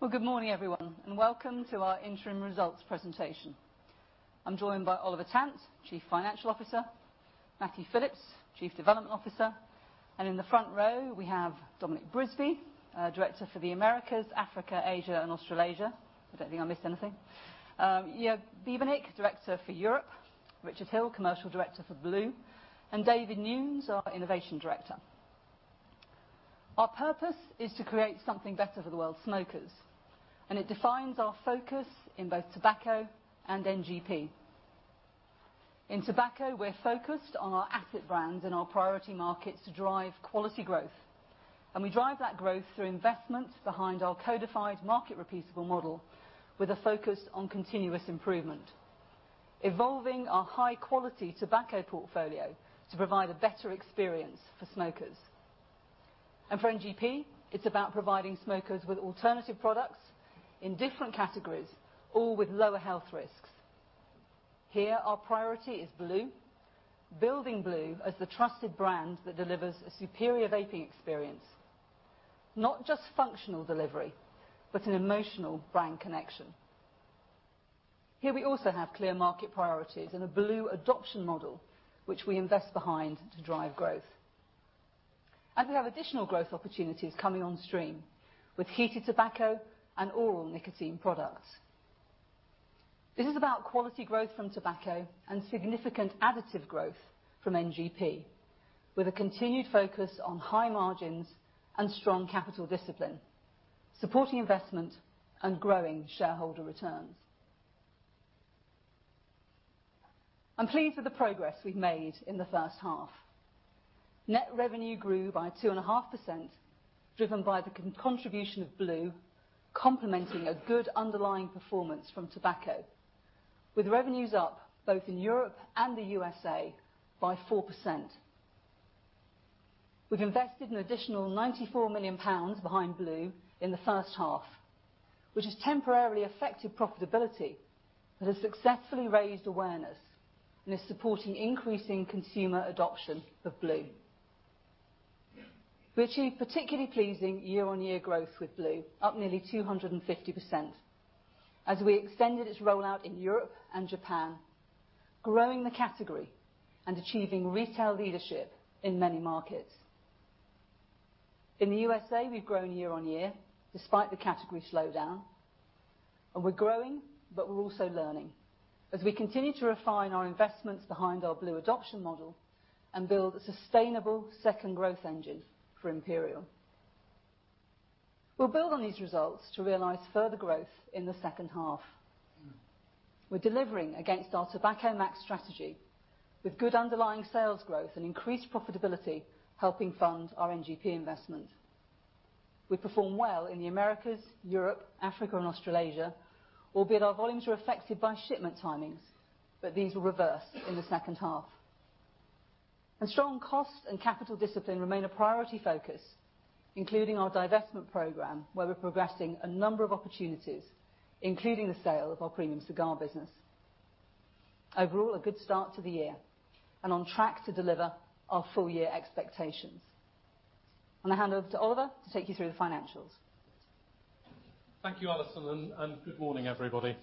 Well, good morning, everyone, and welcome to our interim results presentation. I'm joined by Oliver Tant, Chief Financial Officer, Matthew Phillips, Chief Development Officer, and in the front row we have Dominic Brisby, Director for the Americas, Africa, Asia, and Australasia. I don't think I missed anything. Joerg Biebernick, Director for Europe, Richard Hill, Commercial Director for blu, and David Taylor, our Innovation Director. Our purpose is to create something better for the world's smokers, and it defines our focus in both tobacco and NGP. In tobacco, we're focused on our asset brands and our priority markets to drive quality growth. We drive that growth through investments behind our codified market repeatable model with a focus on continuous improvement, evolving our high-quality tobacco portfolio to provide a better experience for smokers. For NGP, it's about providing smokers with alternative products in different categories, all with lower health risks. Here, our priority is blu. Building blu as the trusted brand that delivers a superior vaping experience. Not just functional delivery, but an emotional brand connection. Here we also have clear market priorities and a blu adoption model which we invest behind to drive growth. We have additional growth opportunities coming on stream with heated tobacco and oral nicotine products. This is about quality growth from tobacco and significant additive growth from NGP, with a continued focus on high margins and strong capital discipline, supporting investment and growing shareholder returns. I'm pleased with the progress we've made in the first half. Net revenue grew by 2.5%, driven by the contribution of blu, complementing a good underlying performance from tobacco, with revenues up both in Europe and the USA by 4%. We've invested an additional 94 million pounds behind blu in the first half, which has temporarily affected profitability, but has successfully raised awareness and is supporting increasing consumer adoption of blu. We achieved particularly pleasing year-on-year growth with blu, up nearly 250% as we extended its rollout in Europe and Japan, growing the category and achieving retail leadership in many markets. In the USA, we've grown year-on-year despite the category slowdown, and we're growing but we're also learning, as we continue to refine our investments behind our blu adoption model and build a sustainable second growth engine for Imperial. We'll build on these results to realize further growth in the second half. We're delivering against our Tobacco Max strategy with good underlying sales growth and increased profitability, helping fund our NGP investment. We performed well in the Americas, Europe, Africa, and Australasia, albeit our volumes were affected by shipment timings, but these will reverse in the second half. A strong cost and capital discipline remain a priority focus, including our divestment program, where we're progressing a number of opportunities, including the sale of our premium cigar business. Overall, a good start to the year and on track to deliver our full year expectations. I'm going to hand over to Oliver to take you through the financials. Thank you, Alison, good morning, everybody.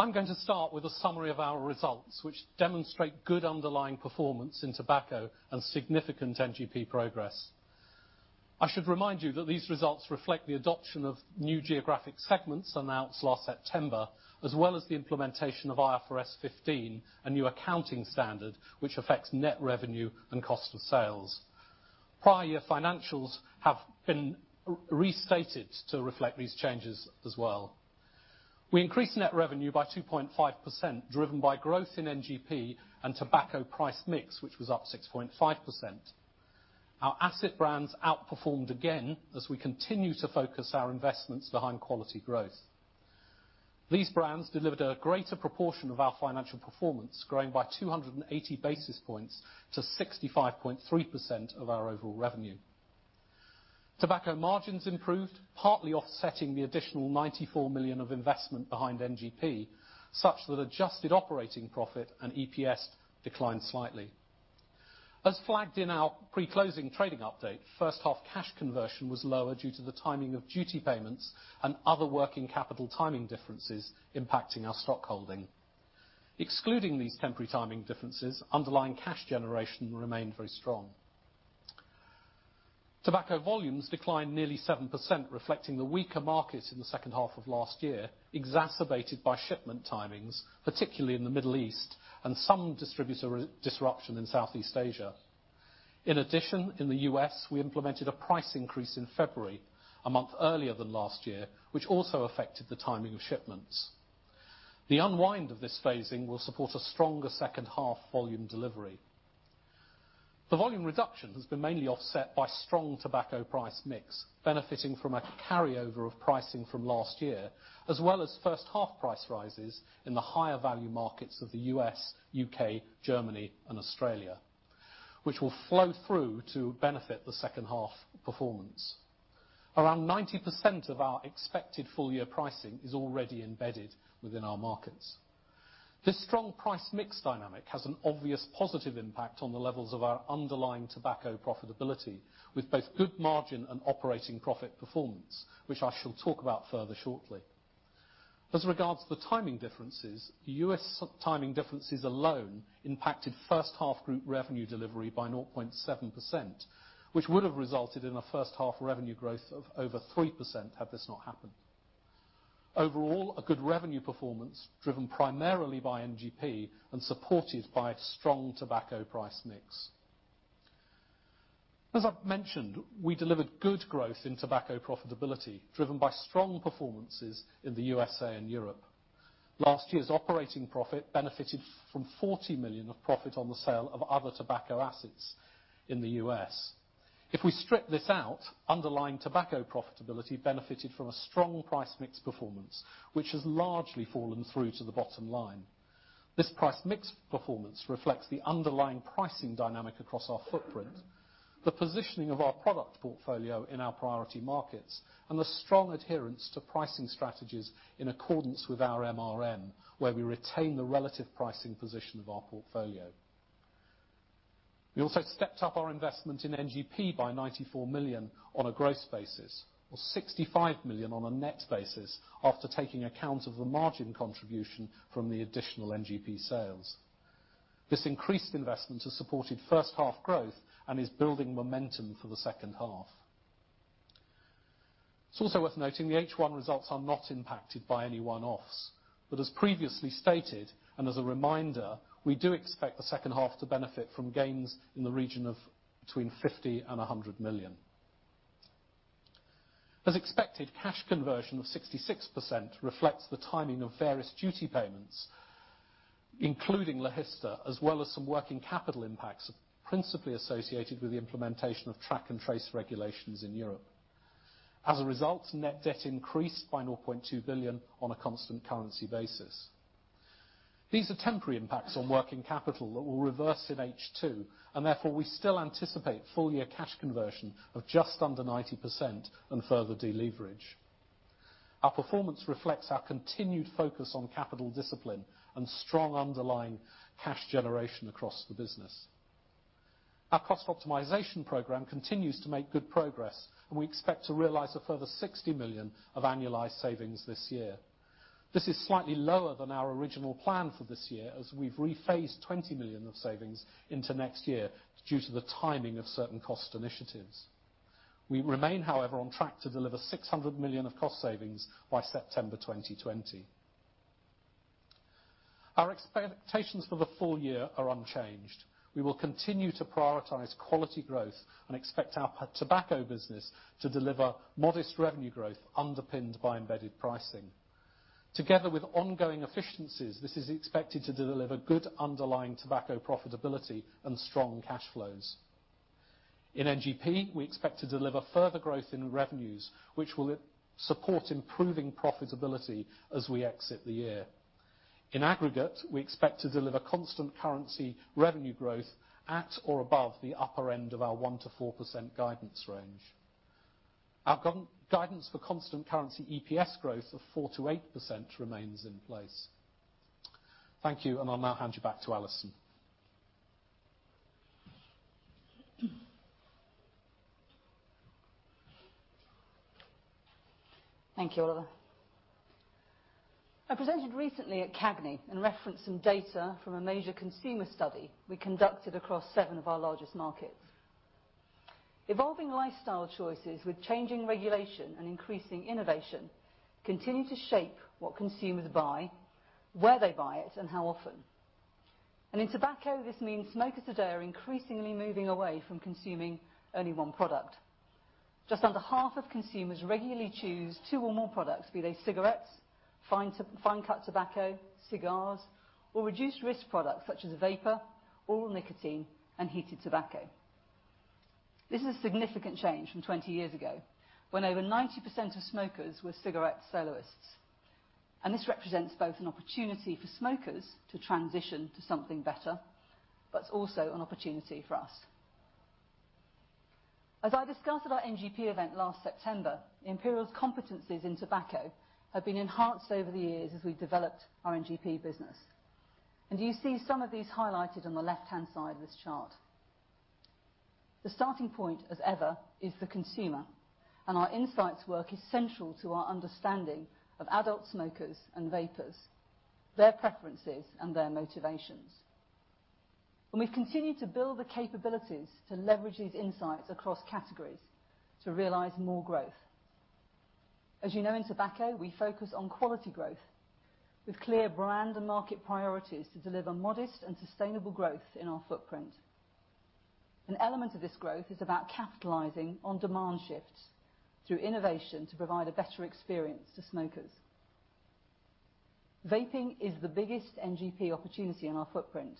I'm going to start with a summary of our results, which demonstrate good underlying performance in tobacco and significant NGP progress. I should remind you that these results reflect the adoption of new geographic segments announced last September, as well as the implementation of IFRS 15, a new accounting standard which affects net revenue and cost of sales. Prior year financials have been restated to reflect these changes as well. We increased net revenue by 2.5%, driven by growth in NGP and tobacco price mix, which was up 6.5%. Our asset brands outperformed again as we continue to focus our investments behind quality growth. These brands delivered a greater proportion of our financial performance, growing by 280 basis points to 65.3% of our overall revenue. Tobacco margins improved, partly offsetting the additional 94 million of investment behind NGP, such that adjusted operating profit and EPS declined slightly. As flagged in our pre-closing trading update, first half cash conversion was lower due to the timing of duty payments and other working capital timing differences impacting our stock holding. Excluding these temporary timing differences, underlying cash generation remained very strong. Tobacco volumes declined nearly 7%, reflecting the weaker markets in the second half of last year, exacerbated by shipment timings, particularly in the Middle East, and some distributor disruption in Southeast Asia. In addition, in the U.S., we implemented a price increase in February, a month earlier than last year, which also affected the timing of shipments. The unwind of this phasing will support a stronger second half volume delivery. The volume reduction has been mainly offset by strong tobacco price mix, benefiting from a carryover of pricing from last year, as well as first half price rises in the higher value markets of the U.S., U.K., Germany and Australia, which will flow through to benefit the second half performance. Around 90% of our expected full year pricing is already embedded within our markets. This strong price mix dynamic has an obvious positive impact on the levels of our underlying tobacco profitability with both good margin and operating profit performance, which I shall talk about further shortly. As regards to the timing differences, U.S. timing differences alone impacted first half group revenue delivery by 0.7%, which would have resulted in a first half revenue growth of over 3% had this not happened. Overall, a good revenue performance, driven primarily by NGP and supported by strong tobacco price mix. As I've mentioned, we delivered good growth in tobacco profitability, driven by strong performances in the U.S. and Europe. Last year's operating profit benefited from 40 million of profit on the sale of other tobacco assets in the U.S. If we strip this out, underlying tobacco profitability benefited from a strong price mix performance, which has largely fallen through to the bottom line. This price mix performance reflects the underlying pricing dynamic across our footprint, the positioning of our product portfolio in our priority markets, and the strong adherence to pricing strategies in accordance with our MRM, where we retain the relative pricing position of our portfolio. We also stepped up our investment in NGP by 94 million on a gross basis, or 65 million on a net basis after taking account of the margin contribution from the additional NGP sales. This increased investment has supported first half growth and is building momentum for the second half. It is also worth noting the H1 results are not impacted by any one-offs, but as previously stated, and as a reminder, we do expect the second half to benefit from gains in the region of between 50 million and 100 million. As expected, cash conversion of 66% reflects the timing of various duty payments, including Logista, as well as some working capital impacts principally associated with the implementation of Track & Trace regulations in Europe. As a result, net debt increased by 0.2 billion on a constant currency basis. These are temporary impacts on working capital that will reverse in H2, and therefore, we still anticipate full year cash conversion of just under 90% and further deleverage. Our performance reflects our continued focus on capital discipline and strong underlying cash generation across the business. Our cost optimization program continues to make good progress. We expect to realize a further 60 million of annualized savings this year. This is slightly lower than our original plan for this year as we have rephased 20 million of savings into next year due to the timing of certain cost initiatives. We remain, however, on track to deliver 600 million of cost savings by September 2020. Our expectations for the full year are unchanged. We will continue to prioritize quality growth and expect our tobacco business to deliver modest revenue growth underpinned by embedded pricing. Together with ongoing efficiencies, this is expected to deliver good underlying tobacco profitability and strong cash flows. In NGP, we expect to deliver further growth in revenues, which will support improving profitability as we exit the year. In aggregate, we expect to deliver constant currency revenue growth at or above the upper end of our 1%-4% guidance range. Our guidance for constant currency EPS growth of 4%-8% remains in place. Thank you. I will now hand you back to Alison. Thank you, Oliver. I presented recently at CAGNY and referenced some data from a major consumer study we conducted across seven of our largest markets. Evolving lifestyle choices with changing regulation and increasing innovation continue to shape what consumers buy, where they buy it, and how often. In tobacco, this means smokers today are increasingly moving away from consuming only one product. Just under half of consumers regularly choose two or more products, be they cigarettes, fine cut tobacco, cigars, or reduced-risk products such as vapor, oral nicotine, and heated tobacco. This is a significant change from 20 years ago when over 90% of smokers were cigarette soloists. This represents both an opportunity for smokers to transition to something better, but also an opportunity for us. As I discussed at our NGP event last September, Imperial Brands's competencies in tobacco have been enhanced over the years as we've developed our NGP business. You see some of these highlighted on the left-hand side of this chart. The starting point, as ever, is the consumer, and our insights work is central to our understanding of adult smokers and vapers, their preferences, and their motivations. We've continued to build the capabilities to leverage these insights across categories to realize more growth. You know, in tobacco, we focus on quality growth with clear brand and market priorities to deliver modest and sustainable growth in our footprint. An element of this growth is about capitalizing on demand shifts through innovation to provide a better experience to smokers. Vaping is the biggest NGP opportunity in our footprint,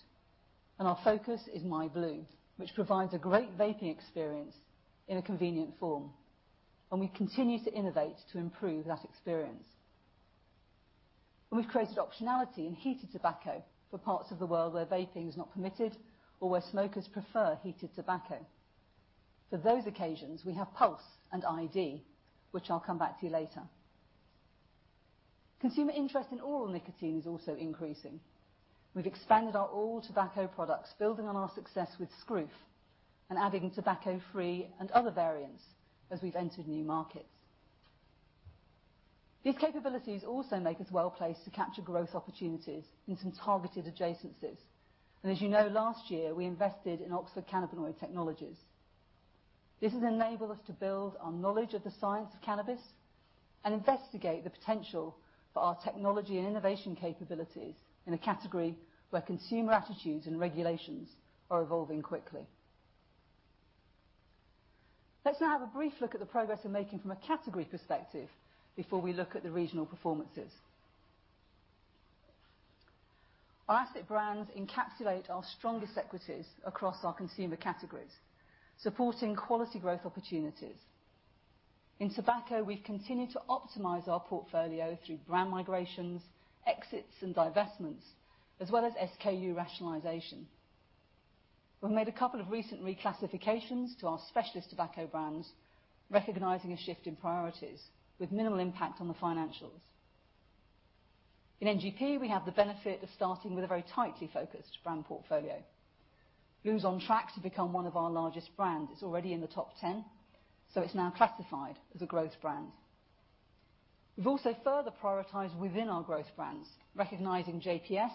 our focus is myblu, which provides a great vaping experience in a convenient form. We continue to innovate to improve that experience. We've created optionality in heated tobacco for parts of the world where vaping is not permitted or where smokers prefer heated tobacco. For those occasions, we have Pulze and iD, which I'll come back to later. Consumer interest in oral nicotine is also increasing. We've expanded our oral tobacco products, building on our success with Skruf, and adding tobacco-free and other variants as we've entered new markets. These capabilities also make us well-placed to capture growth opportunities in some targeted adjacencies. As you know last year, we invested in Oxford Cannabinoid Technologies. This has enabled us to build on knowledge of the science of cannabis and investigate the potential for our technology and innovation capabilities in a category where consumer attitudes and regulations are evolving quickly. Let's now have a brief look at the progress we're making from a category perspective before we look at the regional performances. Our asset brands encapsulate our strongest equities across our consumer categories, supporting quality growth opportunities. In tobacco, we've continued to optimize our portfolio through brand migrations, exits, and divestments, as well as SKU rationalization. We've made a couple of recent reclassifications to our specialist tobacco brands, recognizing a shift in priorities with minimal impact on the financials. In NGP, we have the benefit of starting with a very tightly focused brand portfolio. blu is on track to become one of our largest brands. It's already in the top 10, it's now classified as a growth brand. We've also further prioritized within our growth brands, recognizing JPS,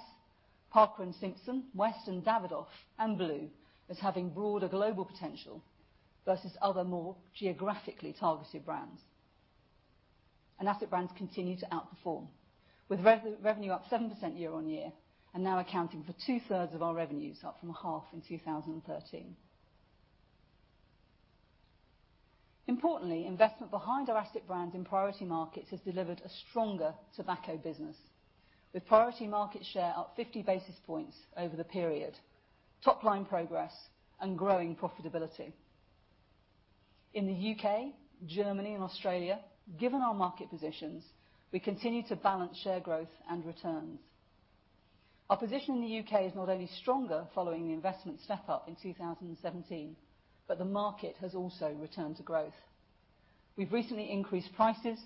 Parker & Simpson, West, Davidoff, and blu as having broader global potential versus other, more geographically targeted brands. Asset brands continue to outperform, with revenue up 7% year-on-year, and now accounting for two-thirds of our revenues, up from half in 2013. Importantly, investment behind our asset brands in priority markets has delivered a stronger tobacco business, with priority market share up 50 basis points over the period, top-line progress, and growing profitability. In the U.K., Germany, and Australia, given our market positions, we continue to balance share growth and returns. Our position in the U.K. is not only stronger following the investment step-up in 2017, but the market has also returned to growth. We've recently increased prices,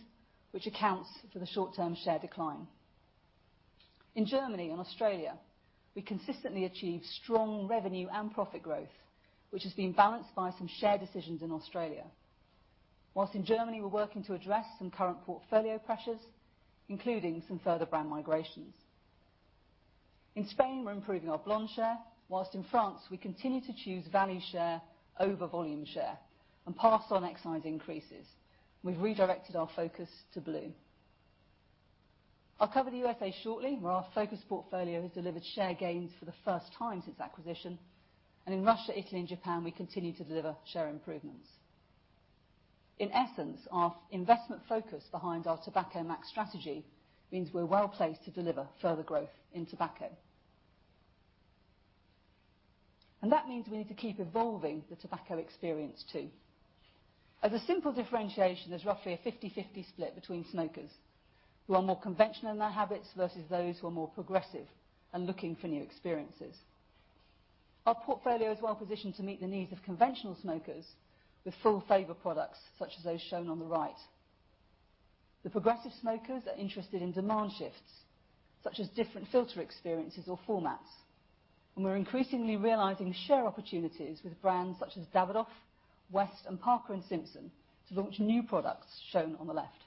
which accounts for the short-term share decline. In Germany and Australia, we consistently achieve strong revenue and profit growth, which has been balanced by some share decisions in Australia. Whilst in Germany, we're working to address some current portfolio pressures, including some further brand migrations. In Spain, we're improving our blond share, whilst in France, we continue to choose value share over volume share and pass on excise increases. We've redirected our focus to blu. I'll cover the U.S. shortly, where our focused portfolio has delivered share gains for the first time since acquisition. In Russia, Italy, and Japan, we continue to deliver share improvements. In essence, our investment focus behind our Tobacco Max strategy means we're well-placed to deliver further growth in tobacco. That means we need to keep evolving the tobacco experience, too. As a simple differentiation, there's roughly a 50/50 split between smokers who are more conventional in their habits versus those who are more progressive and looking for new experiences. Our portfolio is well positioned to meet the needs of conventional smokers with full flavor products such as those shown on the right. The progressive smokers are interested in demand shifts such as different filter experiences or formats. We're increasingly realizing share opportunities with brands such as Davidoff, West, and Parker & Simpson to launch new products shown on the left.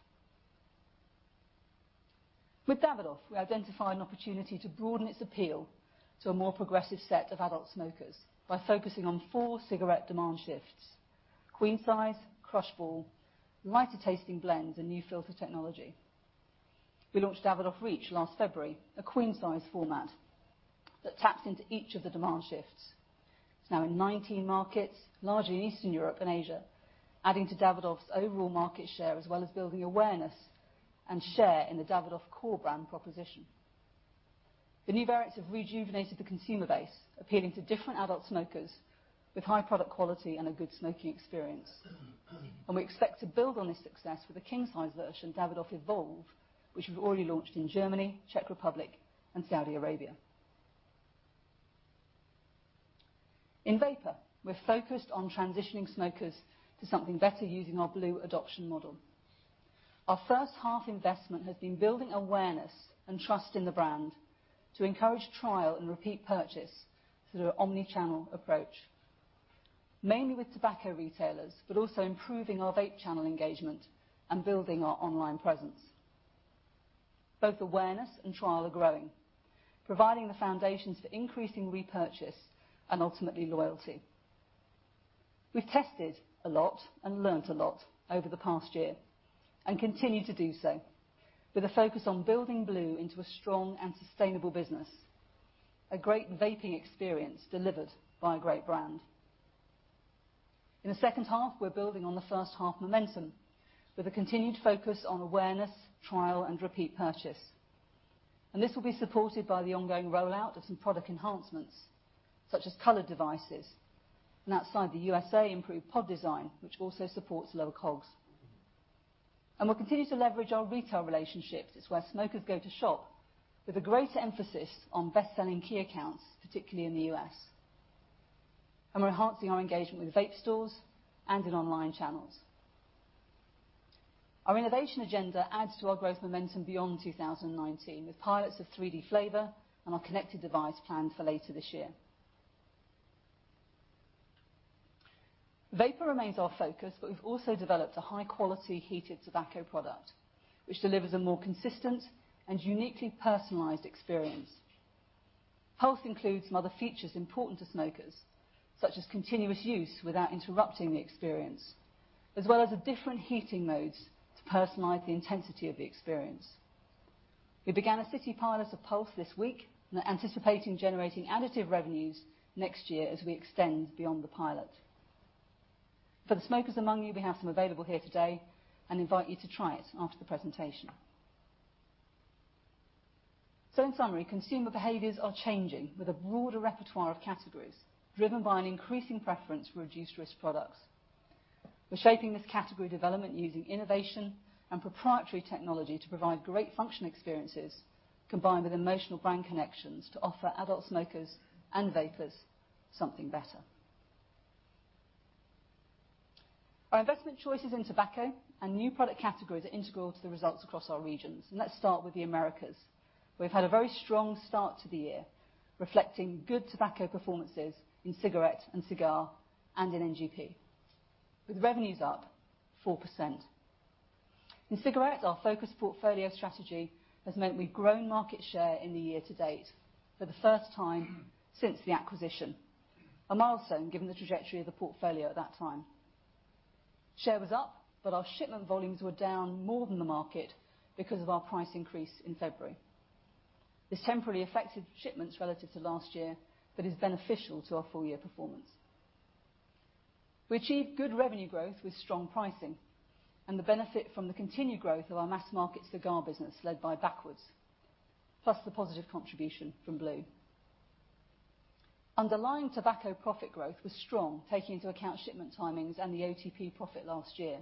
With Davidoff, we identified an opportunity to broaden its appeal to a more progressive set of adult smokers by focusing on four cigarette demand shifts: queen size, crushball, lighter-tasting blends, and new filter technology. We launched Davidoff Reach last February, a queen-size format that taps into each of the demand shifts. It's now in 19 markets, largely in Eastern Europe and Asia, adding to Davidoff's overall market share, as well as building awareness and share in the Davidoff core brand proposition. The new variants have rejuvenated the consumer base, appealing to different adult smokers with high product quality and a good smoking experience. We expect to build on this success with the king-size version, Davidoff Evolve, which we've already launched in Germany, Czech Republic, and Saudi Arabia. In vapor, we're focused on transitioning smokers to something better using our blu adoption model. Our first half investment has been building awareness and trust in the brand to encourage trial and repeat purchase through an omni-channel approach, mainly with tobacco retailers, but also improving our vape channel engagement and building our online presence. Both awareness and trial are growing, providing the foundations for increasing repurchase and ultimately loyalty. We've tested a lot and learnt a lot over the past year and continue to do so with a focus on building blu into a strong and sustainable business, a great vaping experience delivered by a great brand. In the second half, we're building on the first half momentum with a continued focus on awareness, trial, and repeat purchase. This will be supported by the ongoing rollout of some product enhancements, such as color devices, and outside the U.S., improved pod design, which also supports lower COGS. We'll continue to leverage our retail relationships, it's where smokers go to shop, with a greater emphasis on best-selling key accounts, particularly in the U.S. We're enhancing our engagement with vape stores and in online channels. Our innovation agenda adds to our growth momentum beyond 2019, with pilots of 3D flavor and our connected device planned for later this year. Vapor remains our focus, but we've also developed a high-quality heated tobacco product, which delivers a more consistent and uniquely personalized experience. Pulze includes some other features important to smokers, such as continuous use without interrupting the experience, as well as different heating modes to personalize the intensity of the experience. We began a city pilot of Pulze this week, and are anticipating generating additive revenues next year as we extend beyond the pilot. For the smokers among you, we have some available here today and invite you to try it after the presentation. In summary, consumer behaviors are changing with a broader repertoire of categories, driven by an increasing preference for reduced-risk products. We're shaping this category development using innovation and proprietary technology to provide great functional experiences, combined with emotional brand connections to offer adult smokers and vapers something better. Our investment choices in tobacco and new product categories are integral to the results across our regions. Let's start with the Americas. We've had a very strong start to the year, reflecting good tobacco performances in cigarette and cigar and in NGP, with revenues up 4%. In cigarettes, our focused portfolio strategy has meant we've grown market share in the year to date for the first time since the acquisition. A milestone, given the trajectory of the portfolio at that time. Share was up, but our shipment volumes were down more than the market because of our price increase in February. This temporarily affected shipments relative to last year, but is beneficial to our full-year performance. We achieved good revenue growth with strong pricing and the benefit from the continued growth of our mass-market cigar business led by Backwoods, plus the positive contribution from blu. Underlying tobacco profit growth was strong, taking into account shipment timings and the OTP profit last year,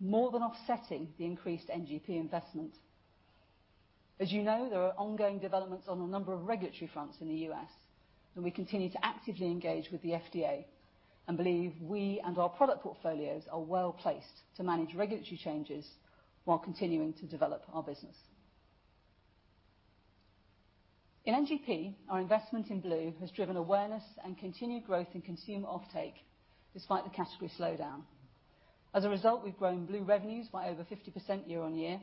more than offsetting the increased NGP investment. As you know, there are ongoing developments on a number of regulatory fronts in the U.S., and we continue to actively engage with the FDA and believe we and our product portfolios are well-placed to manage regulatory changes while continuing to develop our business. In NGP, our investment in blu has driven awareness and continued growth in consumer offtake, despite the category slowdown. As a result, we've grown blu revenues by over 50% year-on-year,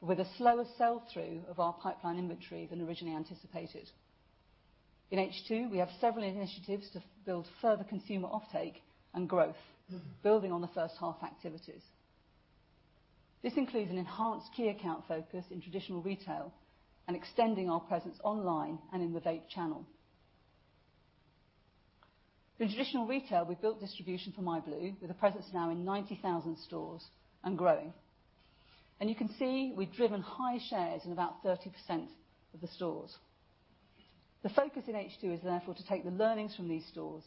but with a slower sell-through of our pipeline inventory than originally anticipated. In H2, we have several initiatives to build further consumer offtake and growth, building on the first half activities. This includes an enhanced key account focus in traditional retail and extending our presence online and in the vape channel. In traditional retail, we've built distribution for myblu, with a presence now in 90,000 stores and growing. You can see we've driven high shares in about 30% of the stores. The focus in H2 is therefore to take the learnings from these stores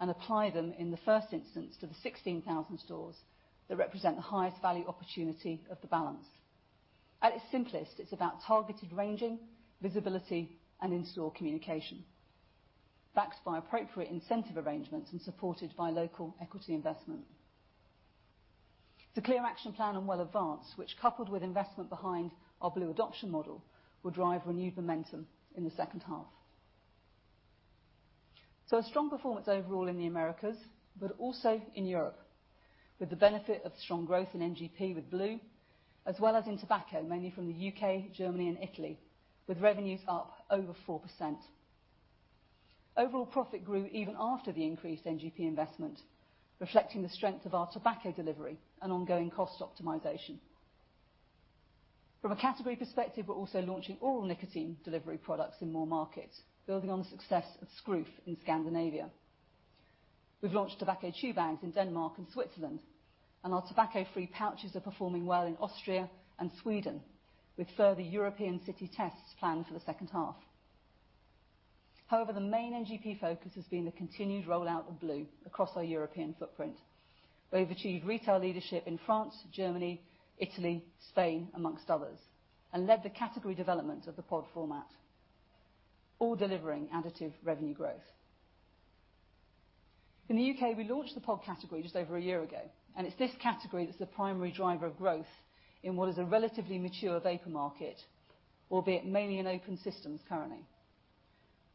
and apply them in the first instance to the 16,000 stores that represent the highest value opportunity of the balance. At its simplest, it's about targeted ranging, visibility, and in-store communication, backed by appropriate incentive arrangements and supported by local equity investment. It's a clear action plan and well advanced, which coupled with investment behind our blu adoption model, will drive renewed momentum in the second half. A strong performance overall in the Americas, but also in Europe, with the benefit of strong growth in NGP with blu, as well as in tobacco, mainly from the U.K., Germany, and Italy, with revenues up over 4%. Overall profit grew even after the increased NGP investment, reflecting the strength of our tobacco delivery and ongoing cost optimization. From a category perspective, we're also launching oral nicotine delivery products in more markets, building on the success of Skruf in Scandinavia. We've launched tobacco chew bags in Denmark and Switzerland, and our tobacco-free pouches are performing well in Austria and Sweden, with further European city tests planned for the second half. The main NGP focus has been the continued rollout of blu across our European footprint. We have achieved retail leadership in France, Germany, Italy, Spain, amongst others, and led the category development of the pod format, all delivering additive revenue growth. In the U.K., we launched the pod category just over a year ago, and it's this category that's the primary driver of growth in what is a relatively mature vapor market, albeit mainly in open systems currently.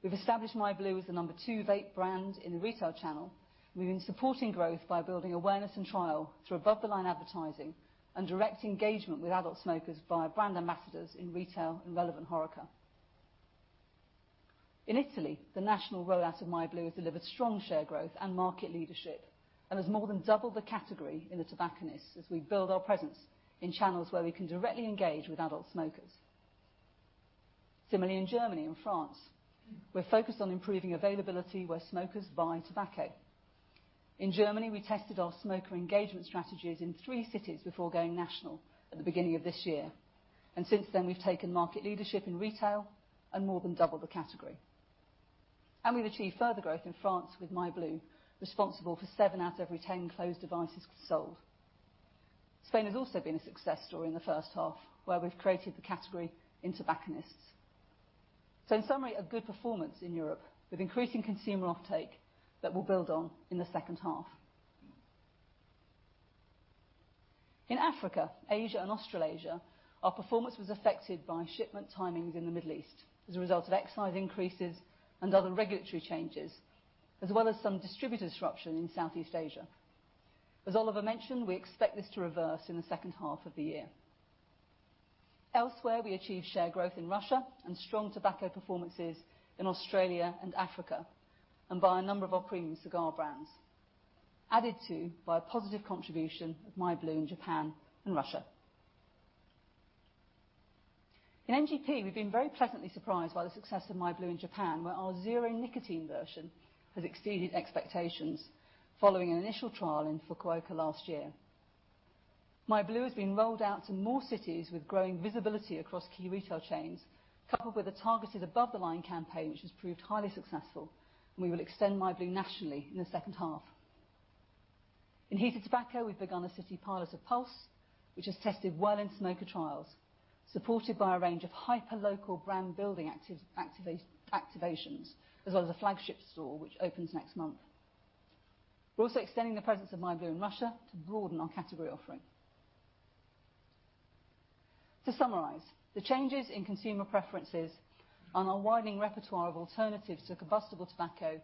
We've established myblu as the number 2 vape brand in the retail channel. We've been supporting growth by building awareness and trial through above-the-line advertising and direct engagement with adult smokers via brand ambassadors in retail and relevant HoReCa. In Italy, the national rollout of myblu has delivered strong share growth and market leadership and has more than doubled the category in the tobacconist as we build our presence in channels where we can directly engage with adult smokers. In Germany and France, we're focused on improving availability where smokers buy tobacco. In Germany, we tested our smoker engagement strategies in three cities before going national at the beginning of this year. Since then, we've taken market leadership in retail and more than doubled the category. And we've achieved further growth in France with myblu, responsible for seven out of every 10 closed devices sold. Spain has also been a success story in the first half where we've created the category in tobacconists. In summary, a good performance in Europe with increasing consumer uptake that we'll build on in the second half. In Africa, Asia, and Australasia, our performance was affected by shipment timings in the Middle East as a result of excise increases and other regulatory changes, as well as some distributor disruption in Southeast Asia. As Oliver mentioned, we expect this to reverse in the second half of the year. Elsewhere, we achieved share growth in Russia and strong tobacco performances in Australia and Africa and by a number of our premium cigar brands, added to by a positive contribution of myblu in Japan and Russia. In NGP, we've been very pleasantly surprised by the success of myblu in Japan, where our zero nicotine version has exceeded expectations following an initial trial in Fukuoka last year. myblu has been rolled out to more cities with growing visibility across key retail chains, coupled with a targeted above-the-line campaign, which has proved highly successful, and we will extend myblu nationally in the second half. In heated tobacco, we've begun a city pilot of Pulze, which has tested well in smoker trials, supported by a range of hyperlocal brand-building activations, as well as a flagship store, which opens next month. We're also extending the presence of myblu in Russia to broaden our category offering. To summarize, the changes in consumer preferences and our widening repertoire of alternatives to combustible tobacco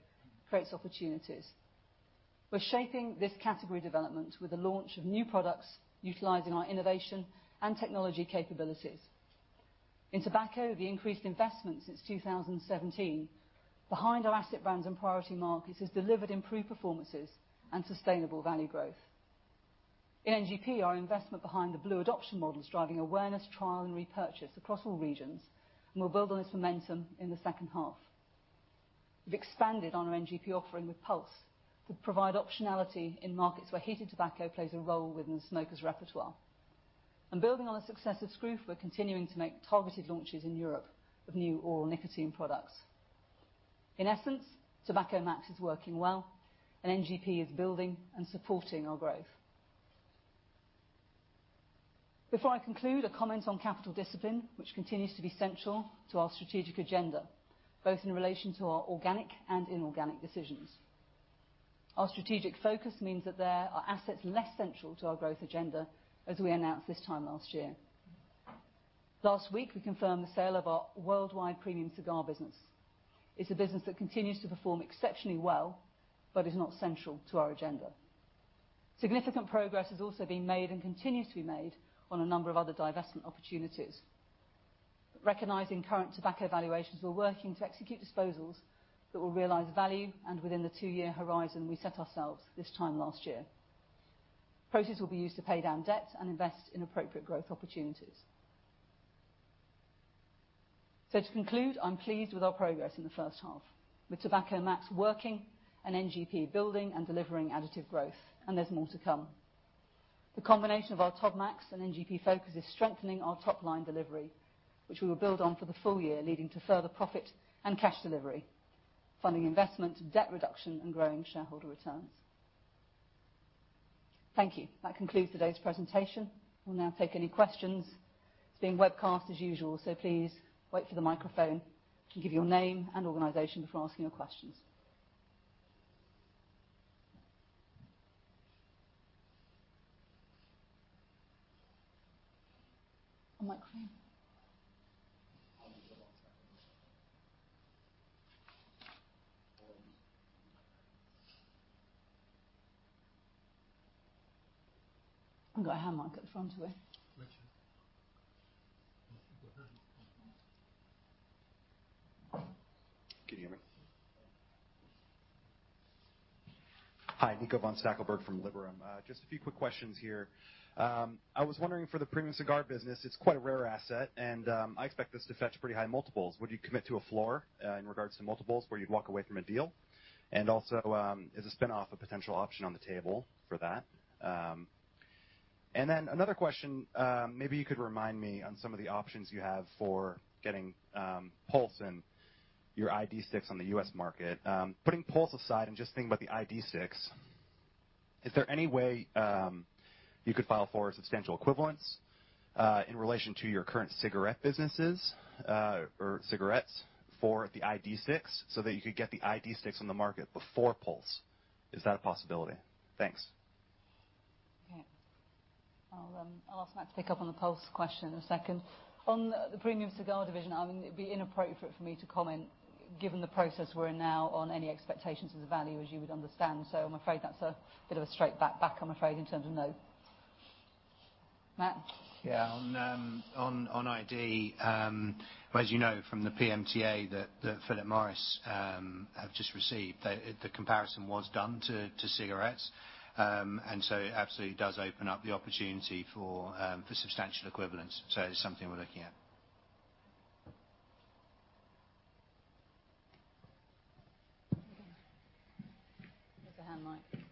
creates opportunities. We're shaping this category development with the launch of new products utilizing our innovation and technology capabilities. In tobacco, the increased investment since 2017 behind our asset brands and priority markets has delivered improved performances and sustainable value growth. In NGP, our investment behind the blu adoption model is driving awareness, trial, and repurchase across all regions, and we'll build on this momentum in the second half. Building on the success of Skruf, we're continuing to make targeted launches in Europe of new oral nicotine products. In essence, Tobacco Max is working well and NGP is building and supporting our growth. Before I conclude, a comment on capital discipline, which continues to be central to our strategic agenda, both in relation to our organic and inorganic decisions. Our strategic focus means that there are assets less central to our growth agenda, as we announced this time last year. Last week, we confirmed the sale of our worldwide premium cigar business. It's a business that continues to perform exceptionally well, but is not central to our agenda. Significant progress has also been made and continues to be made on a number of other divestment opportunities. Recognizing current tobacco valuations, we're working to execute disposals that will realize value and within the two-year horizon we set ourselves this time last year. Proceeds will be used to pay down debt and invest in appropriate growth opportunities. To conclude, I'm pleased with our progress in the first half. With Tobacco Max working and NGP building and delivering additive growth, and there's more to come. The combination of our Tobacco Max and NGP focus is strengthening our top-line delivery, which we will build on for the full year, leading to further profit and cash delivery, funding investments, debt reduction, and growing shareholder returns. Thank you. That concludes today's presentation. We'll now take any questions. It's being webcast as usual, so please wait for the microphone and give your name and organization before asking your questions. A microphone. We've got a hallmark at the front today. Richard. Can you hear me? Hi, Nico von Stackelberg from Liberum. Just a few quick questions here. I was wondering for the premium cigar business, it's quite a rare asset, and I expect this to fetch pretty high multiples. Would you commit to a floor in regards to multiples where you'd walk away from a deal? Also, is a spin-off a potential option on the table for that? Then another question, maybe you could remind me on some of the options you have for getting Pulze and your iD sticks on the U.S. market. Putting Pulze aside and just thinking about the iD sticks, is there any way you could file for a substantial equivalence in relation to your current cigarette businesses, or cigarettes for the iD sticks so that you could get the iD sticks on the market before Pulze? Is that a possibility? Thanks. Okay. I'll ask Matt to pick up on the Pulze question in a second. On the premium cigar division, it'd be inappropriate for me to comment given the process we're in now on any expectations of the value, as you would understand. I'm afraid that's a bit of a straight bat back, I'm afraid, in terms of no. Matt? Yeah. On iD, as you know from the PMTA that Philip Morris have just received, the comparison was done to cigarettes. It absolutely does open up the opportunity for substantial equivalence. It's something we're looking at. Mr. Jain.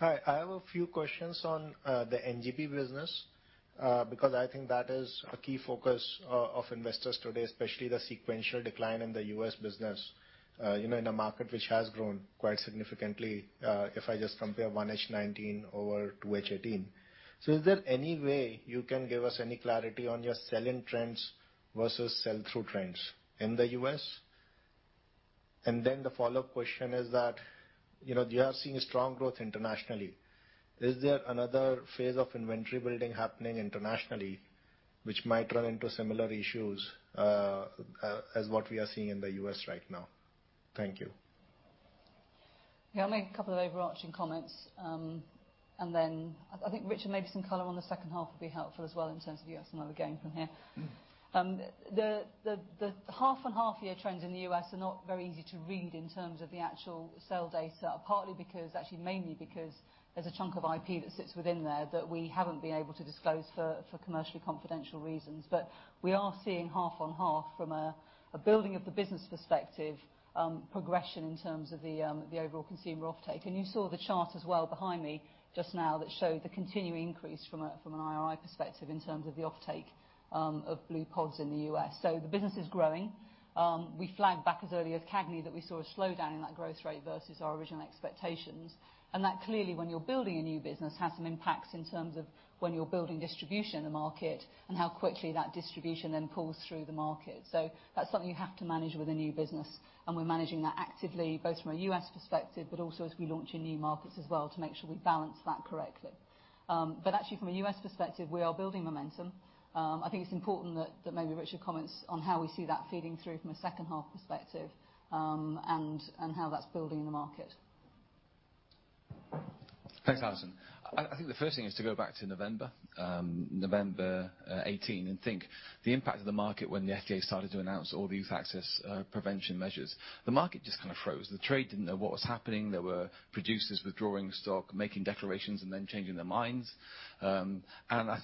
Hi. I have a few questions on the NGP business, because I think that is a key focus of investors today, especially the sequential decline in the U.S. business, in a market which has grown quite significantly, if I just compare 1H19 over 2H18. Is there any way you can give us any clarity on your sell-in trends versus sell-through trends in the U.S.? The follow-up question is that, you have seen strong growth internationally. Is there another phase of inventory building happening internationally, which might run into similar issues as what we are seeing in the U.S. right now? Thank you. Yeah. I'll make a couple of overarching comments, then I think, Richard, maybe some color on the second half would be helpful as well in terms of where we're going from here. The half on half year trends in the U.S. are not very easy to read in terms of the actual sale data, partly because, actually, mainly because there's a chunk of IP that sits within there that we haven't been able to disclose for commercially confidential reasons. We are seeing half on half from a building of the business perspective, progression in terms of the overall consumer offtake. You saw the chart as well behind me just now that showed the continuing increase from an IRI perspective in terms of the offtake of blu pods in the U.S. The business is growing. We flagged back as early as CAGNY that we saw a slowdown in that growth rate versus our original expectations. That clearly, when you're building a new business, has some impacts in terms of when you're building distribution in the market and how quickly that distribution then pulls through the market. That's something you have to manage with a new business, and we're managing that actively, both from a U.S. perspective, but also as we launch in new markets as well to make sure we balance that correctly. Actually from a U.S. perspective, we are building momentum. I think it's important that maybe Richard comments on how we see that feeding through from a second half perspective, and how that's building in the market. Thanks, Alison. I think the first thing is to go back to November 2018 and think the impact of the market when the FDA started to announce all the youth access prevention measures. The market just kind of froze. The trade didn't know what was happening. There were producers withdrawing stock, making declarations, then changing their minds. I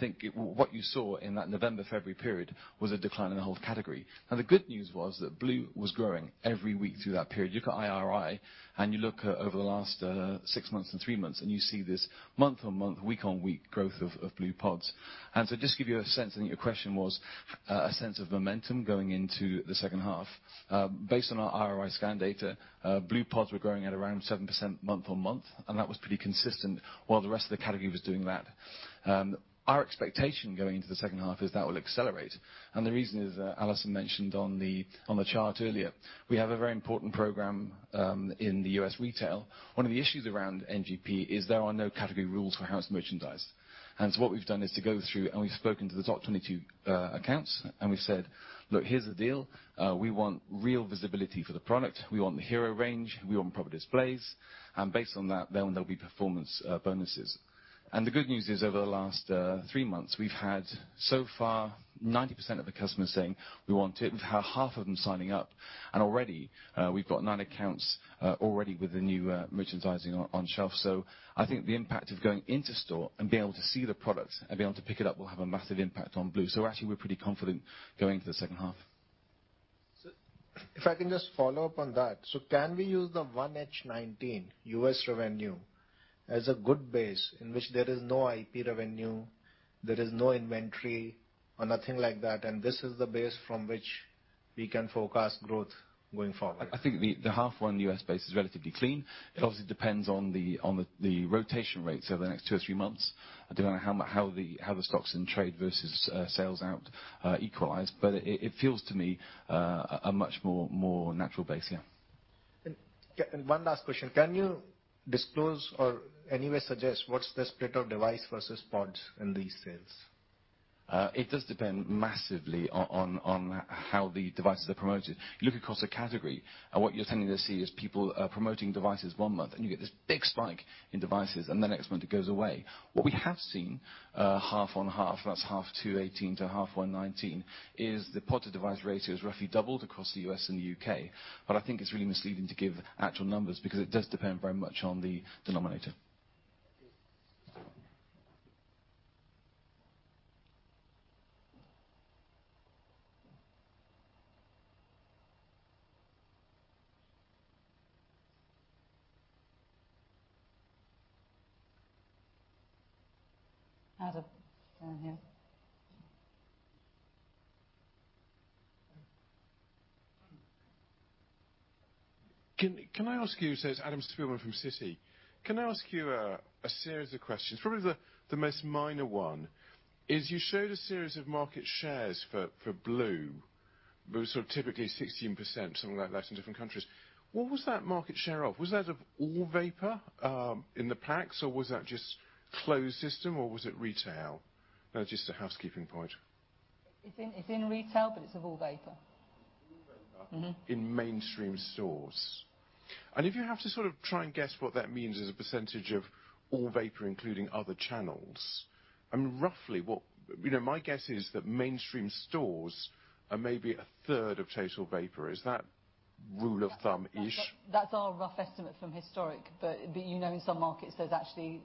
think what you saw in that November, February period was a decline in the whole category. Now, the good news was that blu was growing every week through that period. You've got IRI, and you look over the last six months and three months, and you see this month on month, week on week growth of blu pods. Just give you a sense, I think your question was a sense of momentum going into the second half. Based on our IRI data, blu pods were growing at around 7% month-on-month, and that was pretty consistent while the rest of the category was doing that. Our expectation going into the second half is that will accelerate, and the reason is, Alison mentioned on the chart earlier, we have a very important program in the U.S. retail. One of the issues around NGP is there are no category rules for how it's merchandised. What we've done is to go through, and we've spoken to the top 22 accounts, and we've said, "Look, here's the deal. We want real visibility for the product. We want the hero range. We want proper displays." Based on that, then there'll be performance bonuses. The good news is over the last three months, we've had so far 90% of the customers saying, "We want it." We've had half of them signing up, and already we've got nine accounts already with the new merchandising on shelf. I think the impact of going into store and being able to see the product and being able to pick it up will have a massive impact on blu. Actually, we're pretty confident going into the second half. If I can just follow up on that. Can we use the 1H 2019 U.S. revenue as a good base in which there is no IP revenue, there is no inventory or nothing like that, and this is the base from which we can forecast growth going forward? I think the half one U.S. base is relatively clean. It obviously depends on the rotation rates over the next two or three months, depending on how the stocks in trade versus sales out equalize. It feels to me a much more natural base. Yeah. One last question. Can you disclose or any way suggest what's the split of device versus pods in these sales? It does depend massively on how the devices are promoted. You look across the category, what you're tending to see is people are promoting devices one month, you get this big spike in devices, the next month it goes away. What we have seen, half on half, that's half 2018 to half 2019, is the pod to device ratio has roughly doubled across the U.S. and the U.K. I think it's really misleading to give actual numbers, because it does depend very much on the denominator. Adam down here. Can I ask you. It's Adam Spielman from Citi. Can I ask you a series of questions? Probably the most minor one is you showed a series of market shares for blu, sort of typically 16%, something like that in different countries. What was that market share of? Was that of all vapor in the packs, or was that just closed system, or was it retail? Just a housekeeping point. It's in retail, it's of all vapor. All vapor? In mainstream stores. If you have to sort of try and guess what that means as a percentage of all vapor, including other channels, My guess is that mainstream stores are maybe a third of total vapor. Is that rule of thumb-ish? That's our rough estimate from historic, you know in some markets, there's actually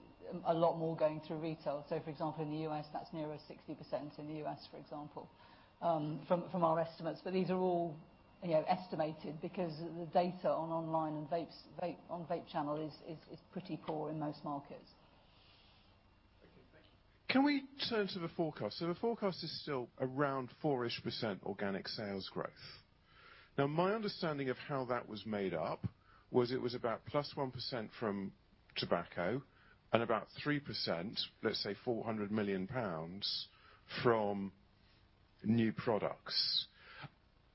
a lot more going through retail. For example, in the U.S., that's nearer 60% in the U.S., for example, from our estimates. These are all estimated, because the data on online on vape channel is pretty poor in most markets. Can we turn to the forecast? The forecast is still around 4-ish% organic sales growth. My understanding of how that was made up was it was about +1% from tobacco and about 3%, let's say 400 million pounds, from new products.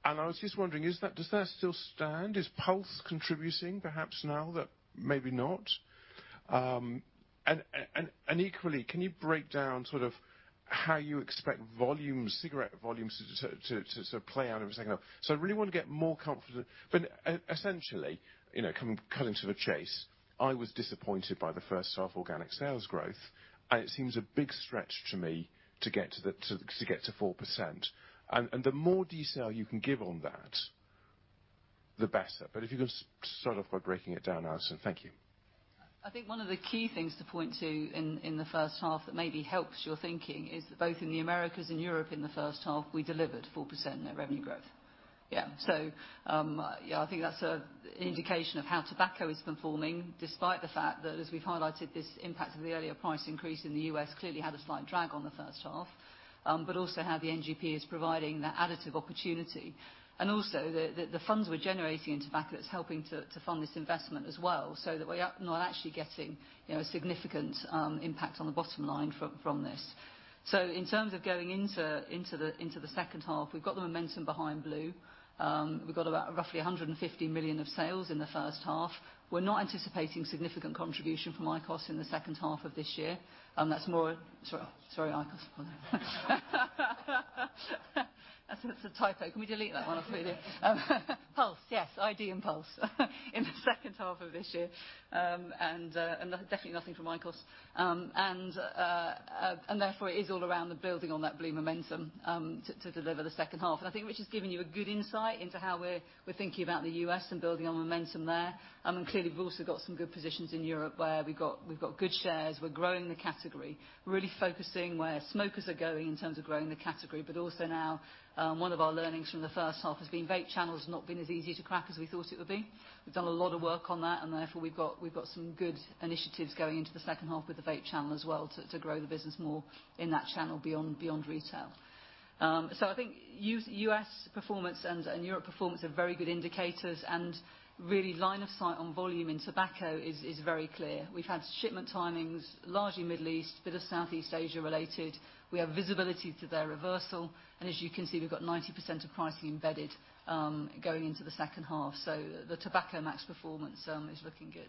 I was just wondering, does that still stand? Is Pulze contributing perhaps now that maybe not? Equally, can you break down how you expect cigarette volumes to play out over the second half? I really want to get more comfortable. Essentially, cutting to the chase, I was disappointed by the first half organic sales growth, and it seems a big stretch to me to get to 4%. The more detail you can give on that, the better. If you can start off by breaking it down, Alison. Thank you. I think one of the key things to point to in the first half that maybe helps your thinking is that both in the Americas and Europe in the first half, we delivered 4% net revenue growth. I think that's an indication of how tobacco is performing, despite the fact that, as we've highlighted, this impact of the earlier price increase in the U.S. clearly had a slight drag on the first half, but also how the NGP is providing that additive opportunity. Also, the funds we're generating in tobacco, that's helping to fund this investment as well, so that we're not actually getting a significant impact on the bottom line from this. In terms of going into the second half, we've got the momentum behind blu. We've got about roughly 150 million of sales in the first half. We're not anticipating significant contribution from IQOS in the second half of this year. Pulze. Yes, IQOS and Pulze in the second half of this year. Definitely nothing from IQOS. Therefore, it is all around the building on that blu momentum to deliver the second half. I think Richard's given you a good insight into how we're thinking about the U.S. and building on momentum there. Clearly, we've also got some good positions in Europe where we've got good shares, we're growing the category, really focusing where smokers are going in terms of growing the category. Also now, one of our learnings from the first half has been vape channel has not been as easy to crack as we thought it would be. We've done a lot of work on that, therefore, we've got some good initiatives going into the second half with the vape channel as well to grow the business more in that channel beyond retail. I think U.S. performance and Europe performance are very good indicators, really line of sight on volume in tobacco is very clear. We've had shipment timings, largely Middle East, bit of Southeast Asia related. We have visibility to their reversal, as you can see, we've got 90% of pricing embedded going into the second half. The Tobacco Max performance is looking good.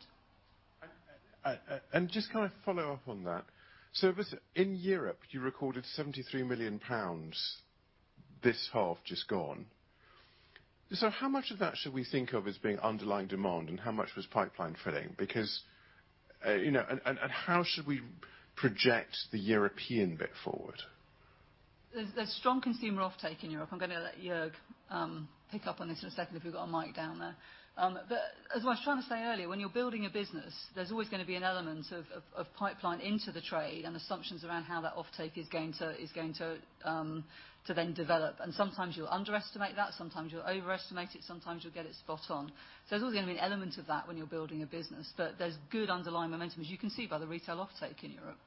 Just following up on that. In Europe, you recorded 73 million pounds this half just gone. How much of that should we think of as being underlying demand, and how much was pipeline filling? How should we project the European bit forward? There's strong consumer offtake in Europe. I'm going to let Joerg pick up on this in a second, if we've got a mic down there. As I was trying to say earlier, when you're building a business, there's always going to be an element of pipeline into the trade and assumptions around how that offtake is going to then develop. Sometimes you'll underestimate that, sometimes you'll overestimate it, sometimes you'll get it spot on. There's always going to be an element of that when you're building a business. There's good underlying momentum, as you can see by the retail offtake in Europe.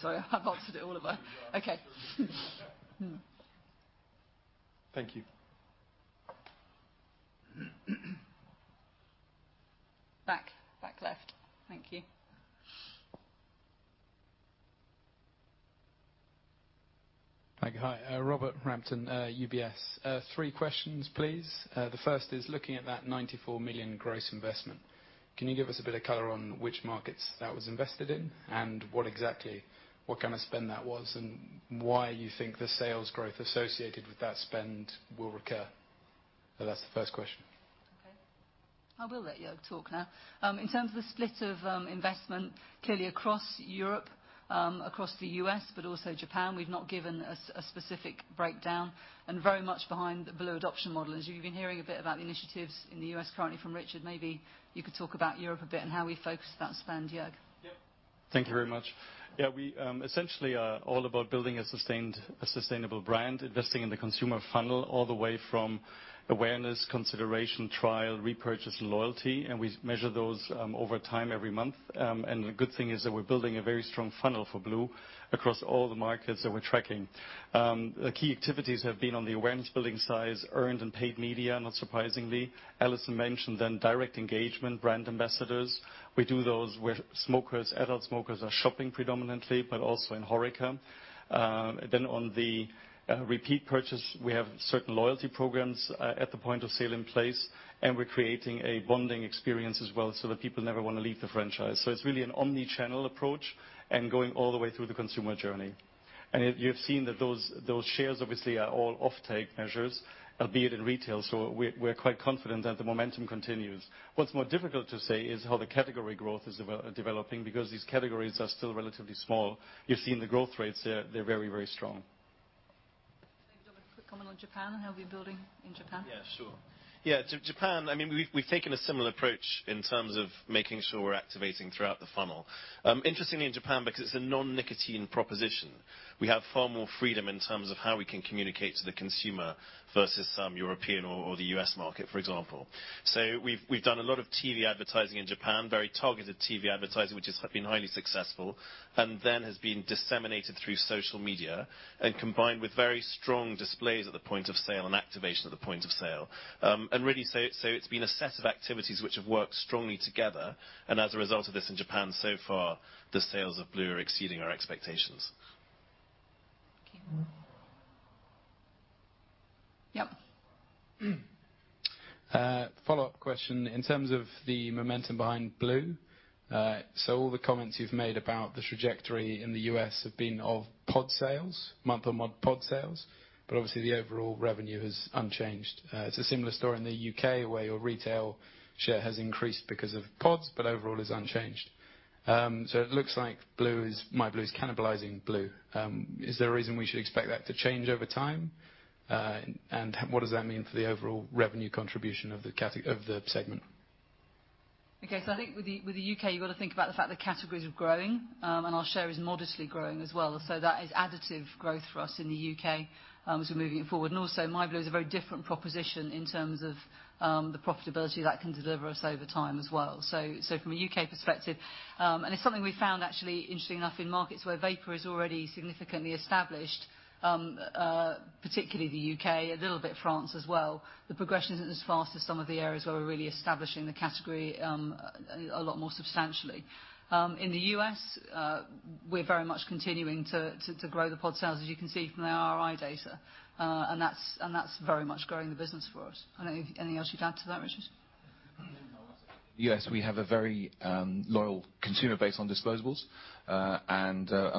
Sorry, I've answered it all, have I? You are. Okay. Thank you. Back left. Thank you. Thank you. Hi, Robert Rampton, UBS. Three questions, please. The first is looking at that 94 million gross investment. Can you give us a bit of color on which markets that was invested in and what exactly, what kind of spend that was and why you think the sales growth associated with that spend will recur? That's the first question. Okay. I will let Joerg talk now. In terms of the split of investment, clearly across Europe, across the U.S., but also Japan, we've not given a specific breakdown, and very much behind the blu adoption model. As you've been hearing a bit about the initiatives in the U.S. currently from Richard, maybe you could talk about Europe a bit and how we focused that spend, Joerg. Yep. Thank you very much. Yeah, we essentially are all about building a sustainable brand, investing in the consumer funnel all the way from awareness, consideration, trial, repurchase, and loyalty, and we measure those over time every month. The good thing is that we're building a very strong funnel for blu across all the markets that we're tracking. The key activities have been on the awareness building size, earned and paid media, not surprisingly. Alison mentioned direct engagement brand ambassadors. We do those where adult smokers are shopping predominantly, but also in HoReCa. On the repeat purchase, we have certain loyalty programs at the point of sale in place, and we're creating a bonding experience as well so that people never want to leave the franchise. It's really an omni-channel approach and going all the way through the consumer journey. You've seen that those shares obviously are all offtake measures, albeit in retail. We're quite confident that the momentum continues. What's more difficult to say is how the category growth is developing because these categories are still relatively small. You've seen the growth rates there, they're very strong. On Japan and how we're building in Japan? Sure. Japan, we've taken a similar approach in terms of making sure we're activating throughout the funnel. Interestingly, in Japan, because it's a non-nicotine proposition, we have far more freedom in terms of how we can communicate to the consumer versus some European or the U.S. market, for example. We've done a lot of TV advertising in Japan, very targeted TV advertising, which has been highly successful, and then has been disseminated through social media and combined with very strong displays at the point of sale and activation at the point of sale. Really, it's been a set of activities which have worked strongly together. As a result of this in Japan so far, the sales of blu are exceeding our expectations. Okay. Yep. Follow-up question. In terms of the momentum behind blu, all the comments you've made about the trajectory in the U.S. have been of pod sales, month-on-month pod sales, but obviously the overall revenue is unchanged. It's a similar story in the U.K., where your retail share has increased because of pods, but overall is unchanged. It looks like myblu is cannibalizing blu. Is there a reason we should expect that to change over time? What does that mean for the overall revenue contribution of the segment? Okay. I think with the U.K., you've got to think about the fact the category is growing, and our share is modestly growing as well. That is additive growth for us in the U.K. as we're moving forward. Also myblu is a very different proposition in terms of the profitability that can deliver us over time as well. From a U.K. perspective, and it's something we found actually interesting enough in markets where vapor is already significantly established, particularly the U.K., a little bit France as well. The progression isn't as fast as some of the areas where we're really establishing the category a lot more substantially. In the U.S., we're very much continuing to grow the pod sales, as you can see from the IRI data. That's very much growing the business for us. I don't know if anything else you'd add to that, Richard? Yes, we have a very loyal consumer base on disposables.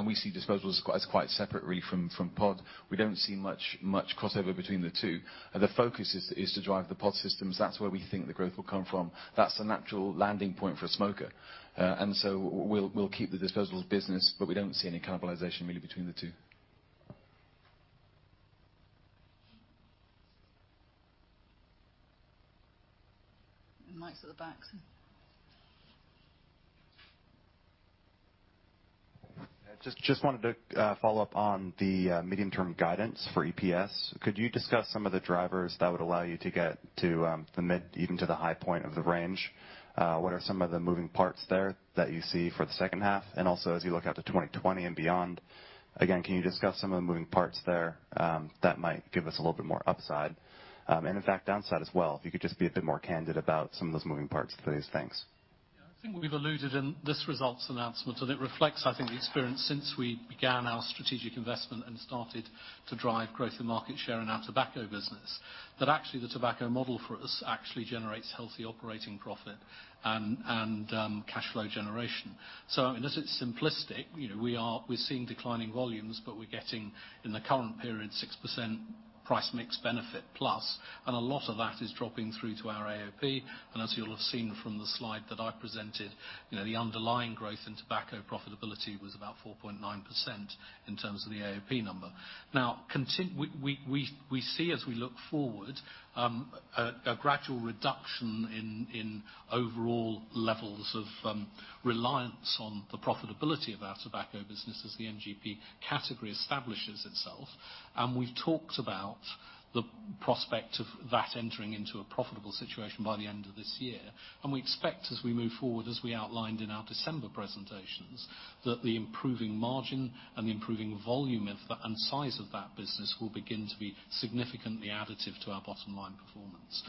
We see disposables as quite separate really from pod. We don't see much crossover between the two. The focus is to drive the pod systems. That's where we think the growth will come from. That's the natural landing point for a smoker. We'll keep the disposables business, but we don't see any cannibalization really between the two. The mics at the back. Just wanted to follow up on the medium term guidance for EPS. Could you discuss some of the drivers that would allow you to get to the mid, even to the high point of the range? What are some of the moving parts there that you see for the second half? Also as you look out to 2020 and beyond, again, can you discuss some of the moving parts there that might give us a little bit more upside, in fact, downside as well? If you could just be a bit more candid about some of those moving parts for these things. Yeah, I think we've alluded in this results announcement, it reflects, I think, the experience since we began our strategic investment and started to drive growth and market share in our tobacco business. That actually the tobacco model for us actually generates healthy operating profit and cash flow generation. In essence, it's simplistic. We're seeing declining volumes, but we're getting, in the current period, 6% price mix benefit plus, a lot of that is dropping through to our AOP. As you'll have seen from the slide that I presented, the underlying growth in tobacco profitability was about 4.9% in terms of the AOP number. We see as we look forward, a gradual reduction in overall levels of reliance on the profitability of our tobacco business as the NGP category establishes itself. We've talked about the prospect of that entering into a profitable situation by the end of this year. We expect as we move forward, as we outlined in our December presentations, that the improving margin and the improving volume and size of that business will begin to be significantly additive to our bottom line performance.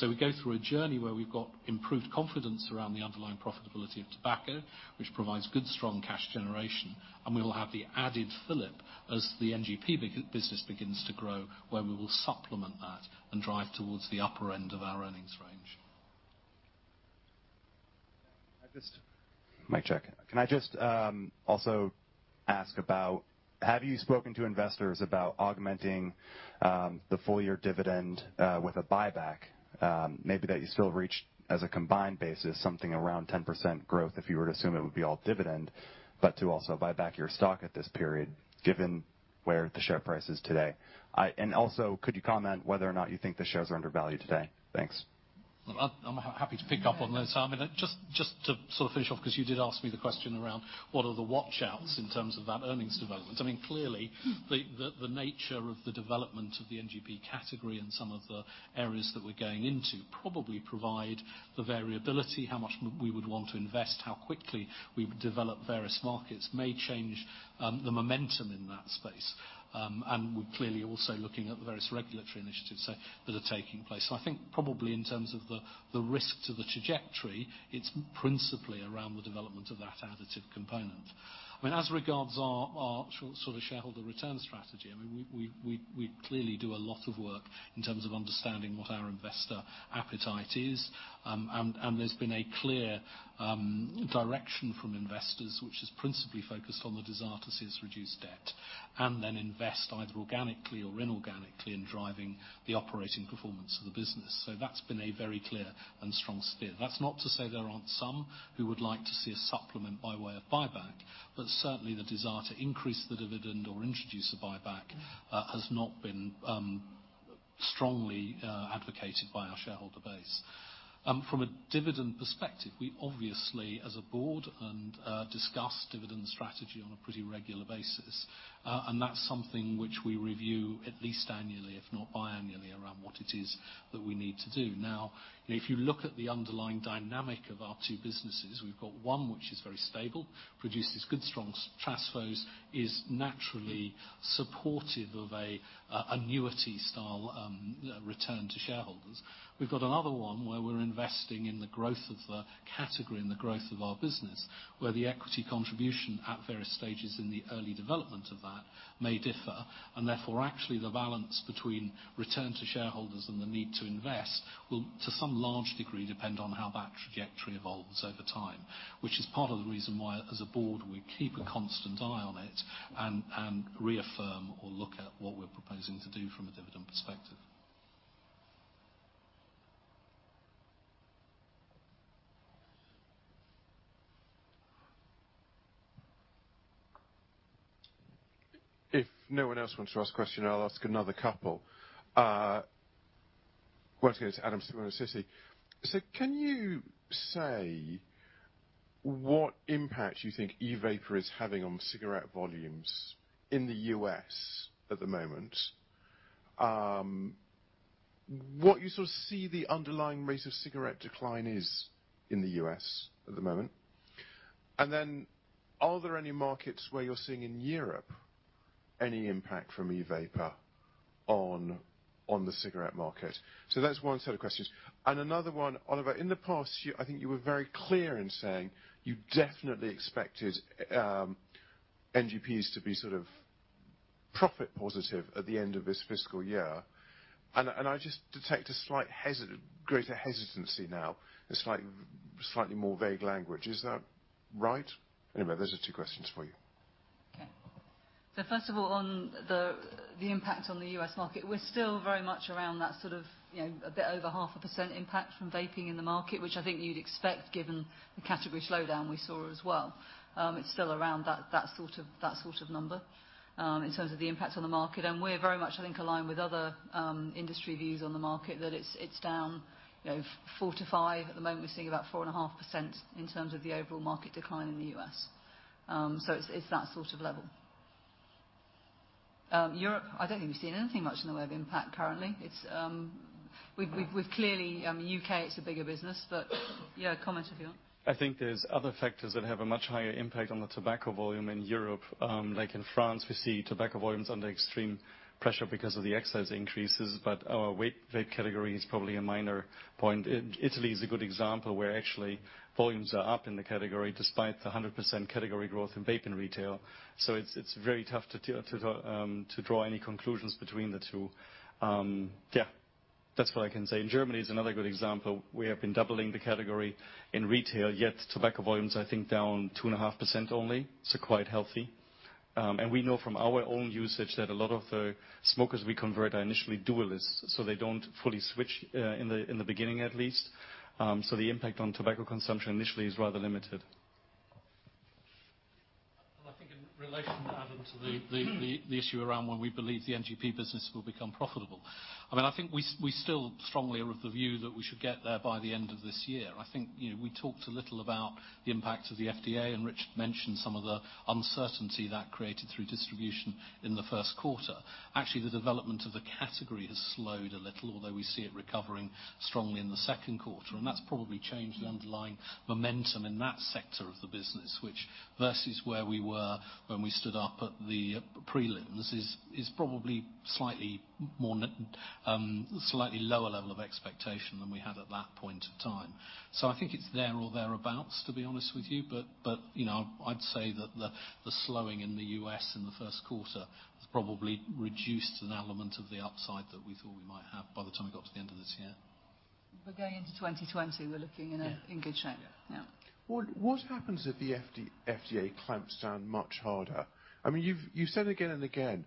We go through a journey where we've got improved confidence around the underlying profitability of tobacco, which provides good, strong cash generation, we will have the added fillip as the NGP business begins to grow, where we will supplement that and drive towards the upper end of our earnings range. Mic check. Can I just also ask about, have you spoken to investors about augmenting the full year dividend with a buyback? Maybe that you still reach as a combined basis, something around 10% growth, if you were to assume it would be all dividend, but to also buy back your stock at this period, given where the share price is today. Also, could you comment whether or not you think the shares are undervalued today? Thanks. I'm happy to pick up on those. Just to sort of finish off, because you did ask me the question around what are the watch outs in terms of that earnings development. I mean, clearly, the nature of the development of the NGP category and some of the areas that we're going into probably provide the variability, how much we would want to invest, how quickly we develop various markets may change the momentum in that space. We're clearly also looking at the various regulatory initiatives that are taking place. I think probably in terms of the risk to the trajectory, it's principally around the development of that additive component. As regards our sort of shareholder return strategy, we clearly do a lot of work in terms of understanding what our investor appetite is. There's been a clear direction from investors, which is principally focused on the desire to see us reduce debt and then invest either organically or inorganically in driving the operating performance of the business. That's been a very clear and strong steer. That's not to say there aren't some who would like to see a supplement by way of buyback, certainly the desire to increase the dividend or introduce a buyback has not been strongly advocated by our shareholder base. From a dividend perspective, we obviously, as a board, discuss dividend strategy on a pretty regular basis. That's something which we review at least annually, if not biannually, around what it is that we need to do. If you look at the underlying dynamic of our two businesses, we've got one which is very stable, produces good, strong cash flows, is naturally supportive of an annuity style return to shareholders. We've got another one where we're investing in the growth of the category and the growth of our business, where the equity contribution at various stages in the early development of that may differ. Therefore, actually the balance between return to shareholders and the need to invest will, to some large degree, depend on how that trajectory evolves over time. That is part of the reason why, as a board, we keep a constant eye on it and reaffirm or look at what we're proposing to do from a dividend perspective. If no one else wants to ask a question, I'll ask another couple. Once again, it's Adam Spielman with Citi. Can you say what impact you think e-vapor is having on cigarette volumes in the U.S. at the moment? What you sort of see the underlying rate of cigarette decline is in the U.S. at the moment. Are there any markets where you're seeing in Europe any impact from e-vapor on the cigarette market? That's one set of questions. Another one, Oliver, in the past, I think you were very clear in saying you definitely expected NGP to be sort of profit positive at the end of this fiscal year. I just detect a slight greater hesitancy now, a slightly more vague language. Is that right? Anyway, those are two questions for you. Okay. First of all, on the impact on the U.S. market, we're still very much around that sort of a bit over 0.5% impact from vaping in the market, which I think you'd expect given the category slowdown we saw as well. It's still around that sort of number in terms of the impact on the market. We're very much, I think, aligned with other industry views on the market that it's down 4%-5%. At the moment, we're seeing about 4.5% in terms of the overall market decline in the U.S. It's that sort of level. Europe, I don't think we've seen anything much in the way of impact currently. We've clearly, U.K. it's a bigger business. Yeah, comment if you want. I think there's other factors that have a much higher impact on the tobacco volume in Europe. In France, we see tobacco volumes under extreme pressure because of the excise increases, our vape category is probably a minor point. Italy is a good example, where actually volumes are up in the category despite the 100% category growth in vape in retail. It's very tough to draw any conclusions between the two. Yeah, that's what I can say. Germany is another good example. We have been doubling the category in retail, yet tobacco volume's I think down 2.5% only. Quite healthy. We know from our own usage that a lot of the smokers we convert are initially dualists, they don't fully switch in the beginning at least. The impact on tobacco consumption initially is rather limited. I think in relation, Adam, to the issue around when we believe the NGP business will become profitable. I think we still strongly are of the view that we should get there by the end of this year. I think we talked a little about the impact of the FDA, Richard mentioned some of the uncertainty that created through distribution in the first quarter. Actually, the development of the category has slowed a little, although we see it recovering strongly in the second quarter. That's probably changed the underlying momentum in that sector of the business, which versus where we were when we stood up at the prelims, is probably slightly lower level of expectation than we had at that point of time. I think it's there or thereabouts, to be honest with you. I'd say that the slowing in the U.S. in the first quarter has probably reduced an element of the upside that we thought we might have by the time we got to the end of this year. Going into 2020, we're looking in good shape. Yeah. Yeah. What happens if the FDA clamps down much harder? You've said again and again,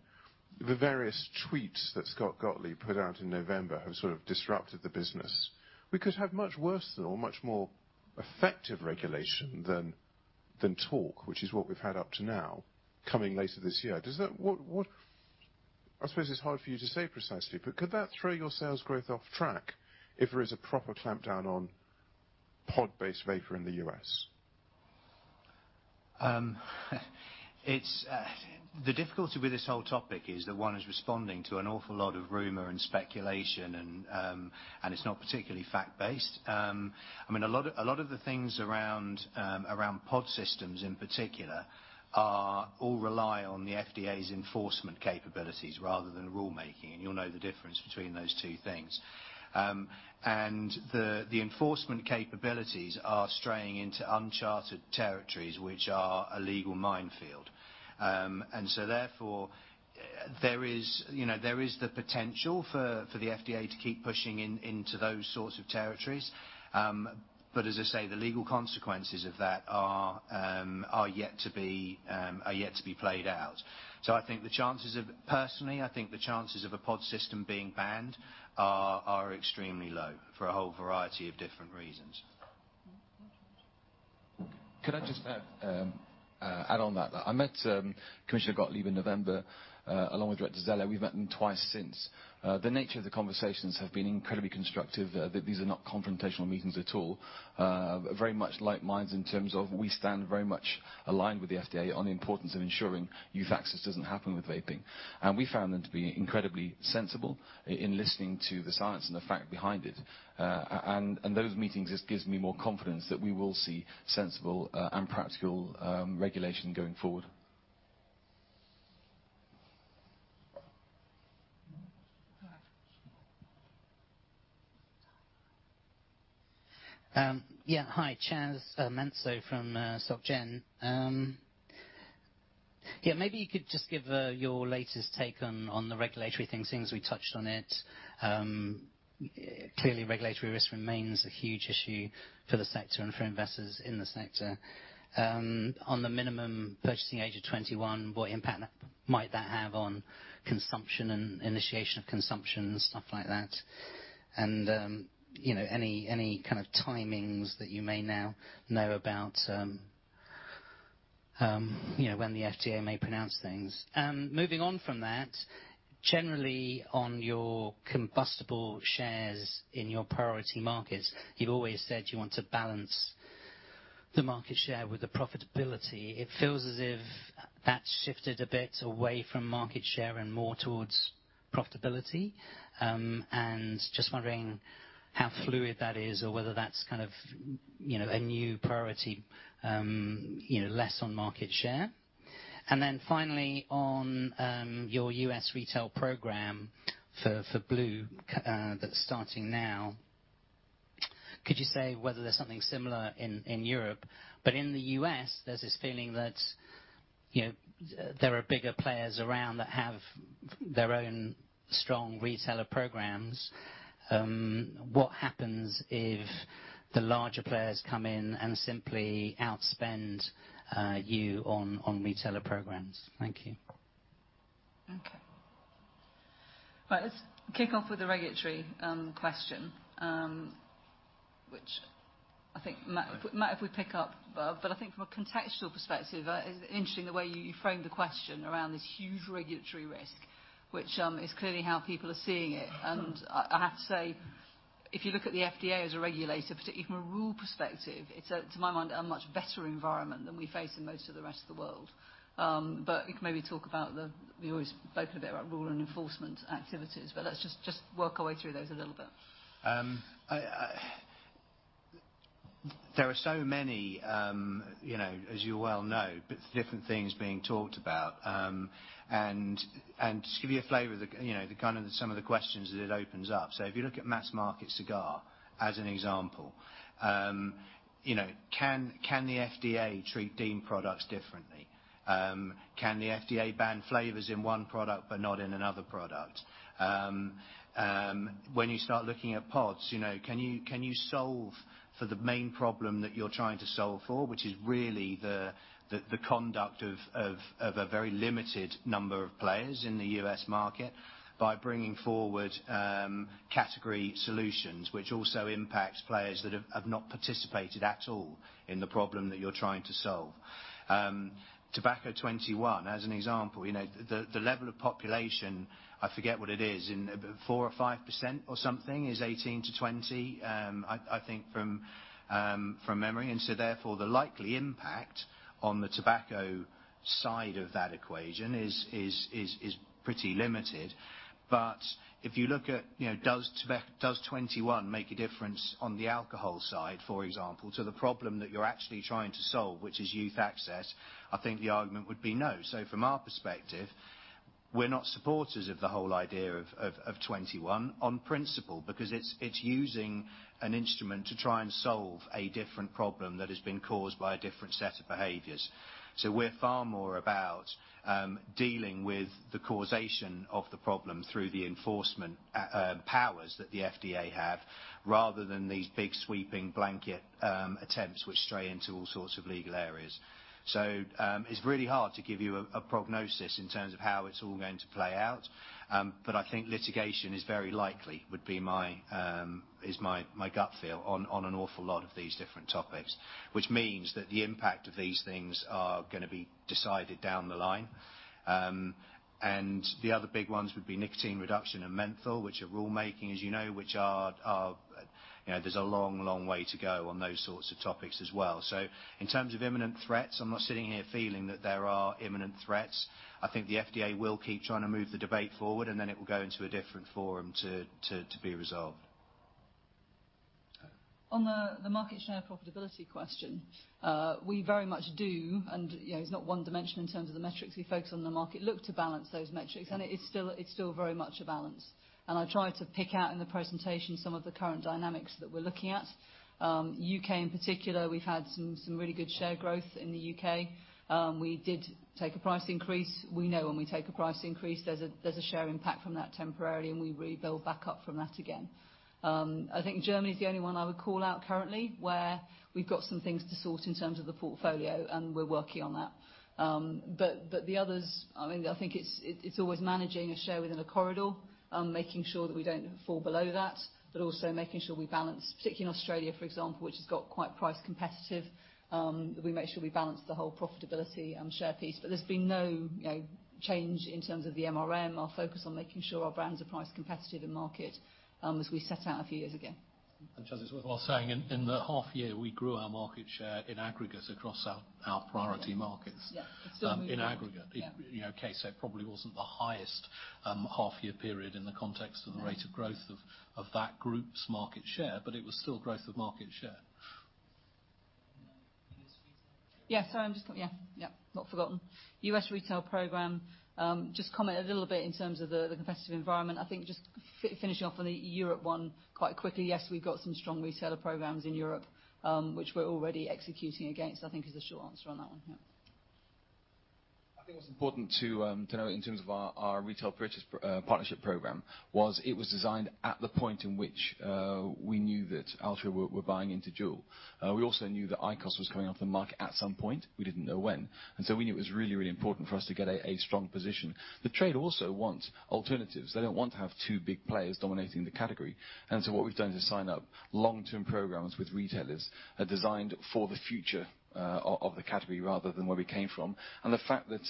the various tweets that Scott Gottlieb put out in November have sort of disrupted the business. We could have much worse than, or much more effective regulation than talk, which is what we've had up to now, coming later this year. I suppose it's hard for you to say precisely, could that throw your sales growth off track if there is a proper clampdown on pod-based vapor in the U.S.? The difficulty with this whole topic is that one is responding to an awful lot of rumor and speculation, and it's not particularly fact-based. A lot of the things around pod systems in particular all rely on the FDA's enforcement capabilities rather than rule making, and you'll know the difference between those two things. The enforcement capabilities are straying into uncharted territories, which are a legal minefield. Therefore, there is the potential for the FDA to keep pushing into those sorts of territories. As I say, the legal consequences of that are yet to be played out. Personally, I think the chances of a pod system being banned are extremely low for a whole variety of different reasons. Can I just add on that? I met Commissioner Gottlieb in November, along with Mitch Zeller. We've met him twice since. The nature of the conversations have been incredibly constructive. These are not confrontational meetings at all. Very much like minds in terms of we stand very much aligned with the FDA on the importance of ensuring youth access doesn't happen with vaping. We found them to be incredibly sensible in listening to the science and the fact behind it. Those meetings just gives me more confidence that we will see sensible and practical regulation going forward. Hi. Hi, Chas Manso from Société Générale. Maybe you could just give your latest take on the regulatory things, seeing as we touched on it. Clearly, regulatory risk remains a huge issue for the sector and for investors in the sector. On the minimum purchasing age of 21, what impact might that have on consumption and initiation of consumption, stuff like that? Any kind of timings that you may now know about when the FDA may pronounce things. Moving on from that, generally, on your combustible shares in your priority markets, you've always said you want to balance the market share with the profitability. It feels as if that's shifted a bit away from market share and more towards profitability. Just wondering how fluid that is or whether that's a new priority, less on market share. Finally, on your U.S. retail program for blu that's starting now, could you say whether there's something similar in Europe, but in the U.S., there's this feeling that there are bigger players around that have their own strong retailer programs. What happens if the larger players come in and simply outspend you on retailer programs? Thank you. Okay. Right. Let's kick off with the regulatory question, which I think Matt, if we pick up. I think from a contextual perspective, interesting the way you framed the question around this huge regulatory risk, which is clearly how people are seeing it. I have to say, if you look at the FDA as a regulator, particularly from a rule perspective, it's, to my mind, a much better environment than we face in most of the rest of the world. We always spoke a bit about rule and enforcement activities, let's just work our way through those a little bit. There are so many, as you well know, different things being talked about. Just to give you a flavor of the some of the questions that it opens up. If you look at mass market cigar as an example, can the FDA treat deeming products differently? Can the FDA ban flavors in one product but not in another product? When you start looking at pods, can you solve for the main problem that you're trying to solve for, which is really the conduct of a very limited number of players in the U.S. market by bringing forward category solutions, which also impacts players that have not participated at all in the problem that you're trying to solve. Tobacco 21, as an example, the level of population, I forget what it is, 4% or 5% or something is 18 to 20, I think from memory. Therefore, the likely impact on the tobacco side of that equation is pretty limited. If you look at does 21 make a difference on the alcohol side, for example, to the problem that you're actually trying to solve, which is youth access, I think the argument would be no. From our perspective, we're not supporters of the whole idea of 21 on principle, because it's using an instrument to try and solve a different problem that has been caused by a different set of behaviors. We're far more about dealing with the causation of the problem through the enforcement powers that the FDA have, rather than these big sweeping blanket attempts which stray into all sorts of legal areas. It's really hard to give you a prognosis in terms of how it's all going to play out. I think litigation is very likely, is my gut feel on an awful lot of these different topics, which means that the impact of these things are going to be decided down the line. The other big ones would be nicotine reduction and menthol, which are rulemaking, as you know, which there's a long way to go on those sorts of topics as well. In terms of imminent threats, I'm not sitting here feeling that there are imminent threats. I think the FDA will keep trying to move the debate forward, and then it will go into a different forum to be resolved. On the market share profitability question, we very much do, and it's not one dimension in terms of the metrics we focus on the market, look to balance those metrics, and it's still very much a balance. I try to pick out in the presentation some of the current dynamics that we're looking at. U.K. in particular, we've had some really good share growth in the U.K. We did take a price increase. We know when we take a price increase, there's a share impact from that temporarily, and we rebuild back up from that again. I think Germany is the only one I would call out currently, where we've got some things to sort in terms of the portfolio, and we're working on that. The others, I think it's always managing a share within a corridor, making sure that we don't fall below that, but also making sure we balance, particularly in Australia, for example, which has got quite price competitive, that we make sure we balance the whole profitability and share piece. There's been no change in terms of the MRM. Our focus on making sure our brands are price competitive in market as we set out a few years ago. Just as well saying in the half year, we grew our market share in aggregate across our priority markets. Yeah. It's still moving. In aggregate. Yeah. K said probably wasn't the highest half year period in the context of the rate of growth of that group's market share, it was still growth of market share. Yeah. Sorry, I'm just. Yeah. Not forgotten. U.S. retail program. Just comment a little bit in terms of the competitive environment. I think just finishing off on the Europe one quite quickly, yes, we've got some strong retailer programs in Europe, which we're already executing against, I think is the short answer on that one. Yeah. I think what's important to know in terms of our retail purchase partnership program was it was designed at the point in which we knew that Altria were buying into Juul. We also knew that IQOS was coming off the market at some point. We didn't know when. We knew it was really important for us to get a strong position. The trade also wants alternatives. They don't want to have two big players dominating the category. What we've done is sign up long-term programs with retailers designed for the future of the category, rather than where we came from. The fact that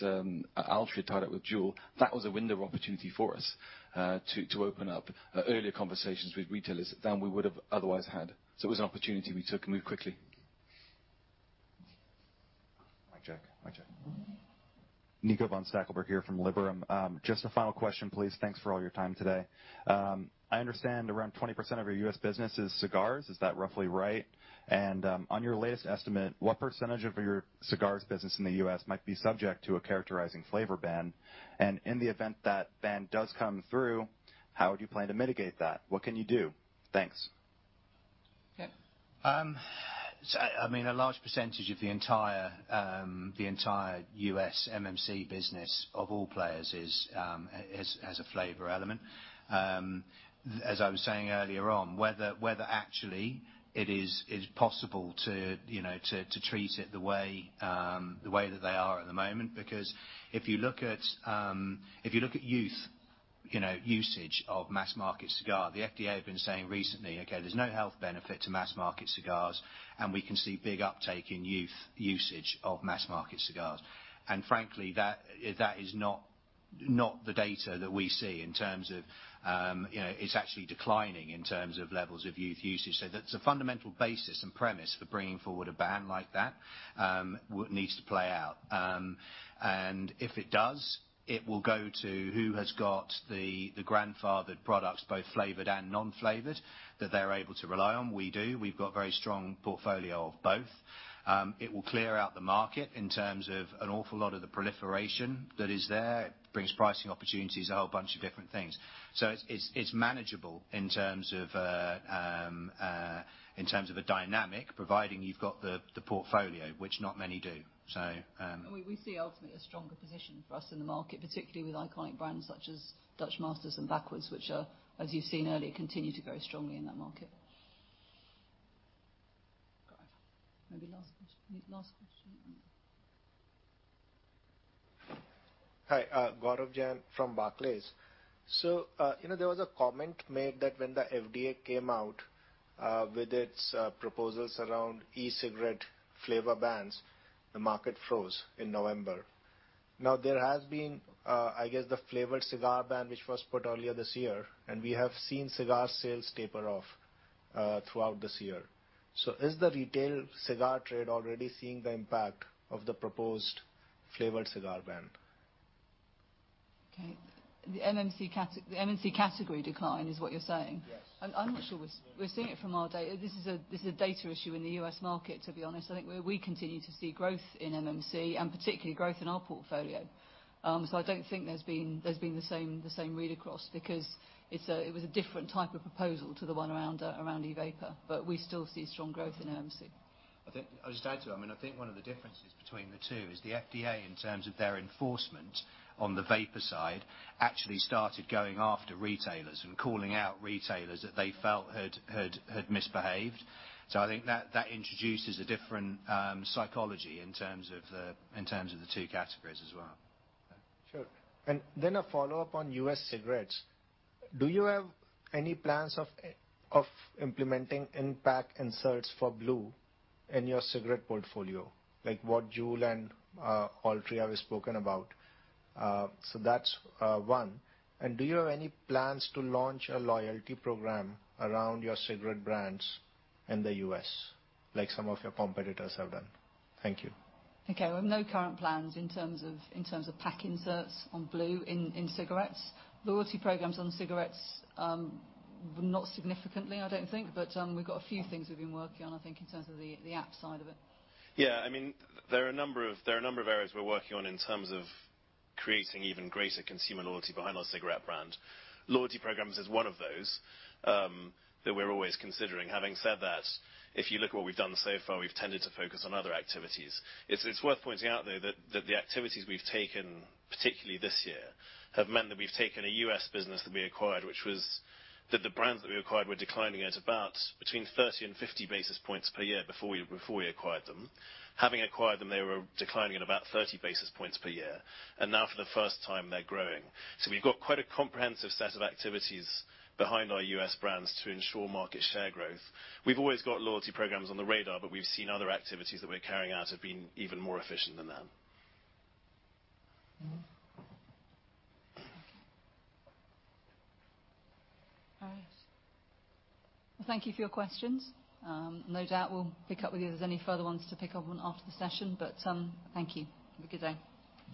Altria tied up with Juul, that was a window of opportunity for us, to open up earlier conversations with retailers than we would've otherwise had. It was an opportunity we took and moved quickly. Mic check. Nico von Stackelberg here from Liberum. Just a final question, please. Thanks for all your time today. I understand around 20% of your U.S. business is cigars. Is that roughly right? On your latest estimate, what % of your cigars business in the U.S. might be subject to a characterizing flavor ban? In the event that ban does come through, how would you plan to mitigate that? What can you do? Thanks. Okay. A large percentage of the entire U.S. MMC business of all players has a flavor element. As I was saying earlier on, whether actually it is possible to treat it the way that they are at the moment. If you look at youth usage of mass market cigar, the FDA have been saying recently, okay, there's no health benefit to mass market cigars, and we can see big uptake in youth usage of mass market cigars. Frankly, that is not the data that we see. It's actually declining in terms of levels of youth usage. That's a fundamental basis and premise for bringing forward a ban like that, needs to play out. If it does, it will go to who has got the grandfathered products, both flavored and non-flavored, that they're able to rely on. We do. We've got a very strong portfolio of both. It will clear out the market in terms of an awful lot of the proliferation that is there. It brings pricing opportunities, a whole bunch of different things. It's manageable in terms of a dynamic, providing you've got the portfolio, which not many do. We see ultimately a stronger position for us in the market, particularly with iconic brands such as Dutch Masters and Backwoods, which are, as you've seen earlier, continue to grow strongly in that market. Go ahead. Maybe last question. Hi. Gaurav Jain from Barclays. There was a comment made that when the FDA came out with its proposals around e-cigarette flavor bans, the market froze in November. There has been, I guess the flavored cigar ban, which was put earlier this year, and we have seen cigar sales taper off throughout this year. Is the retail cigar trade already seeing the impact of the proposed flavored cigar ban? Okay. The MMC category decline is what you are saying? Yes. I am not sure we are seeing it from our data. This is a data issue in the U.S. market, to be honest. I think we continue to see growth in MMC, and particularly growth in our portfolio. I do not think there has been the same read across, because it was a different type of proposal to the one around e-vapor, but we still see strong growth in MMC. I will just add to that, I think one of the differences between the two is the FDA, in terms of their enforcement on the vapor side, actually started going after retailers and calling out retailers that they felt had misbehaved. I think that introduces a different psychology in terms of the two categories as well. Sure. A follow-up on U.S. cigarettes. Do you have any plans of implementing impact inserts for blu in your cigarette portfolio, like what Juul and Altria have spoken about? That is one. Do you have any plans to launch a loyalty program around your cigarette brands in the U.S. like some of your competitors have done? Thank you. Okay. We have no current plans in terms of pack inserts on blu in cigarettes. Loyalty programs on cigarettes, not significantly, I don't think, but we've got a few things we've been working on, I think in terms of the app side of it. Yeah. There are a number of areas we're working on in terms of creating even greater consumer loyalty behind our cigarette brand. Loyalty programs is one of those, that we're always considering. Having said that, if you look at what we've done so far, we've tended to focus on other activities. It's worth pointing out, though, that the activities we've taken, particularly this year, have meant that we've taken a U.S. business that we acquired, which was that the brands that we acquired were declining at about between 30 and 50 basis points per year before we acquired them. Having acquired them, they were declining at about 30 basis points per year. Now, for the first time, they're growing. We've got quite a comprehensive set of activities behind our U.S. brands to ensure market share growth. We've always got loyalty programs on the radar, we've seen other activities that we're carrying out have been even more efficient than that. Okay. All right. Well, thank you for your questions. No doubt we'll pick up with you if there's any further ones to pick up on after the session, thank you. Have a good day.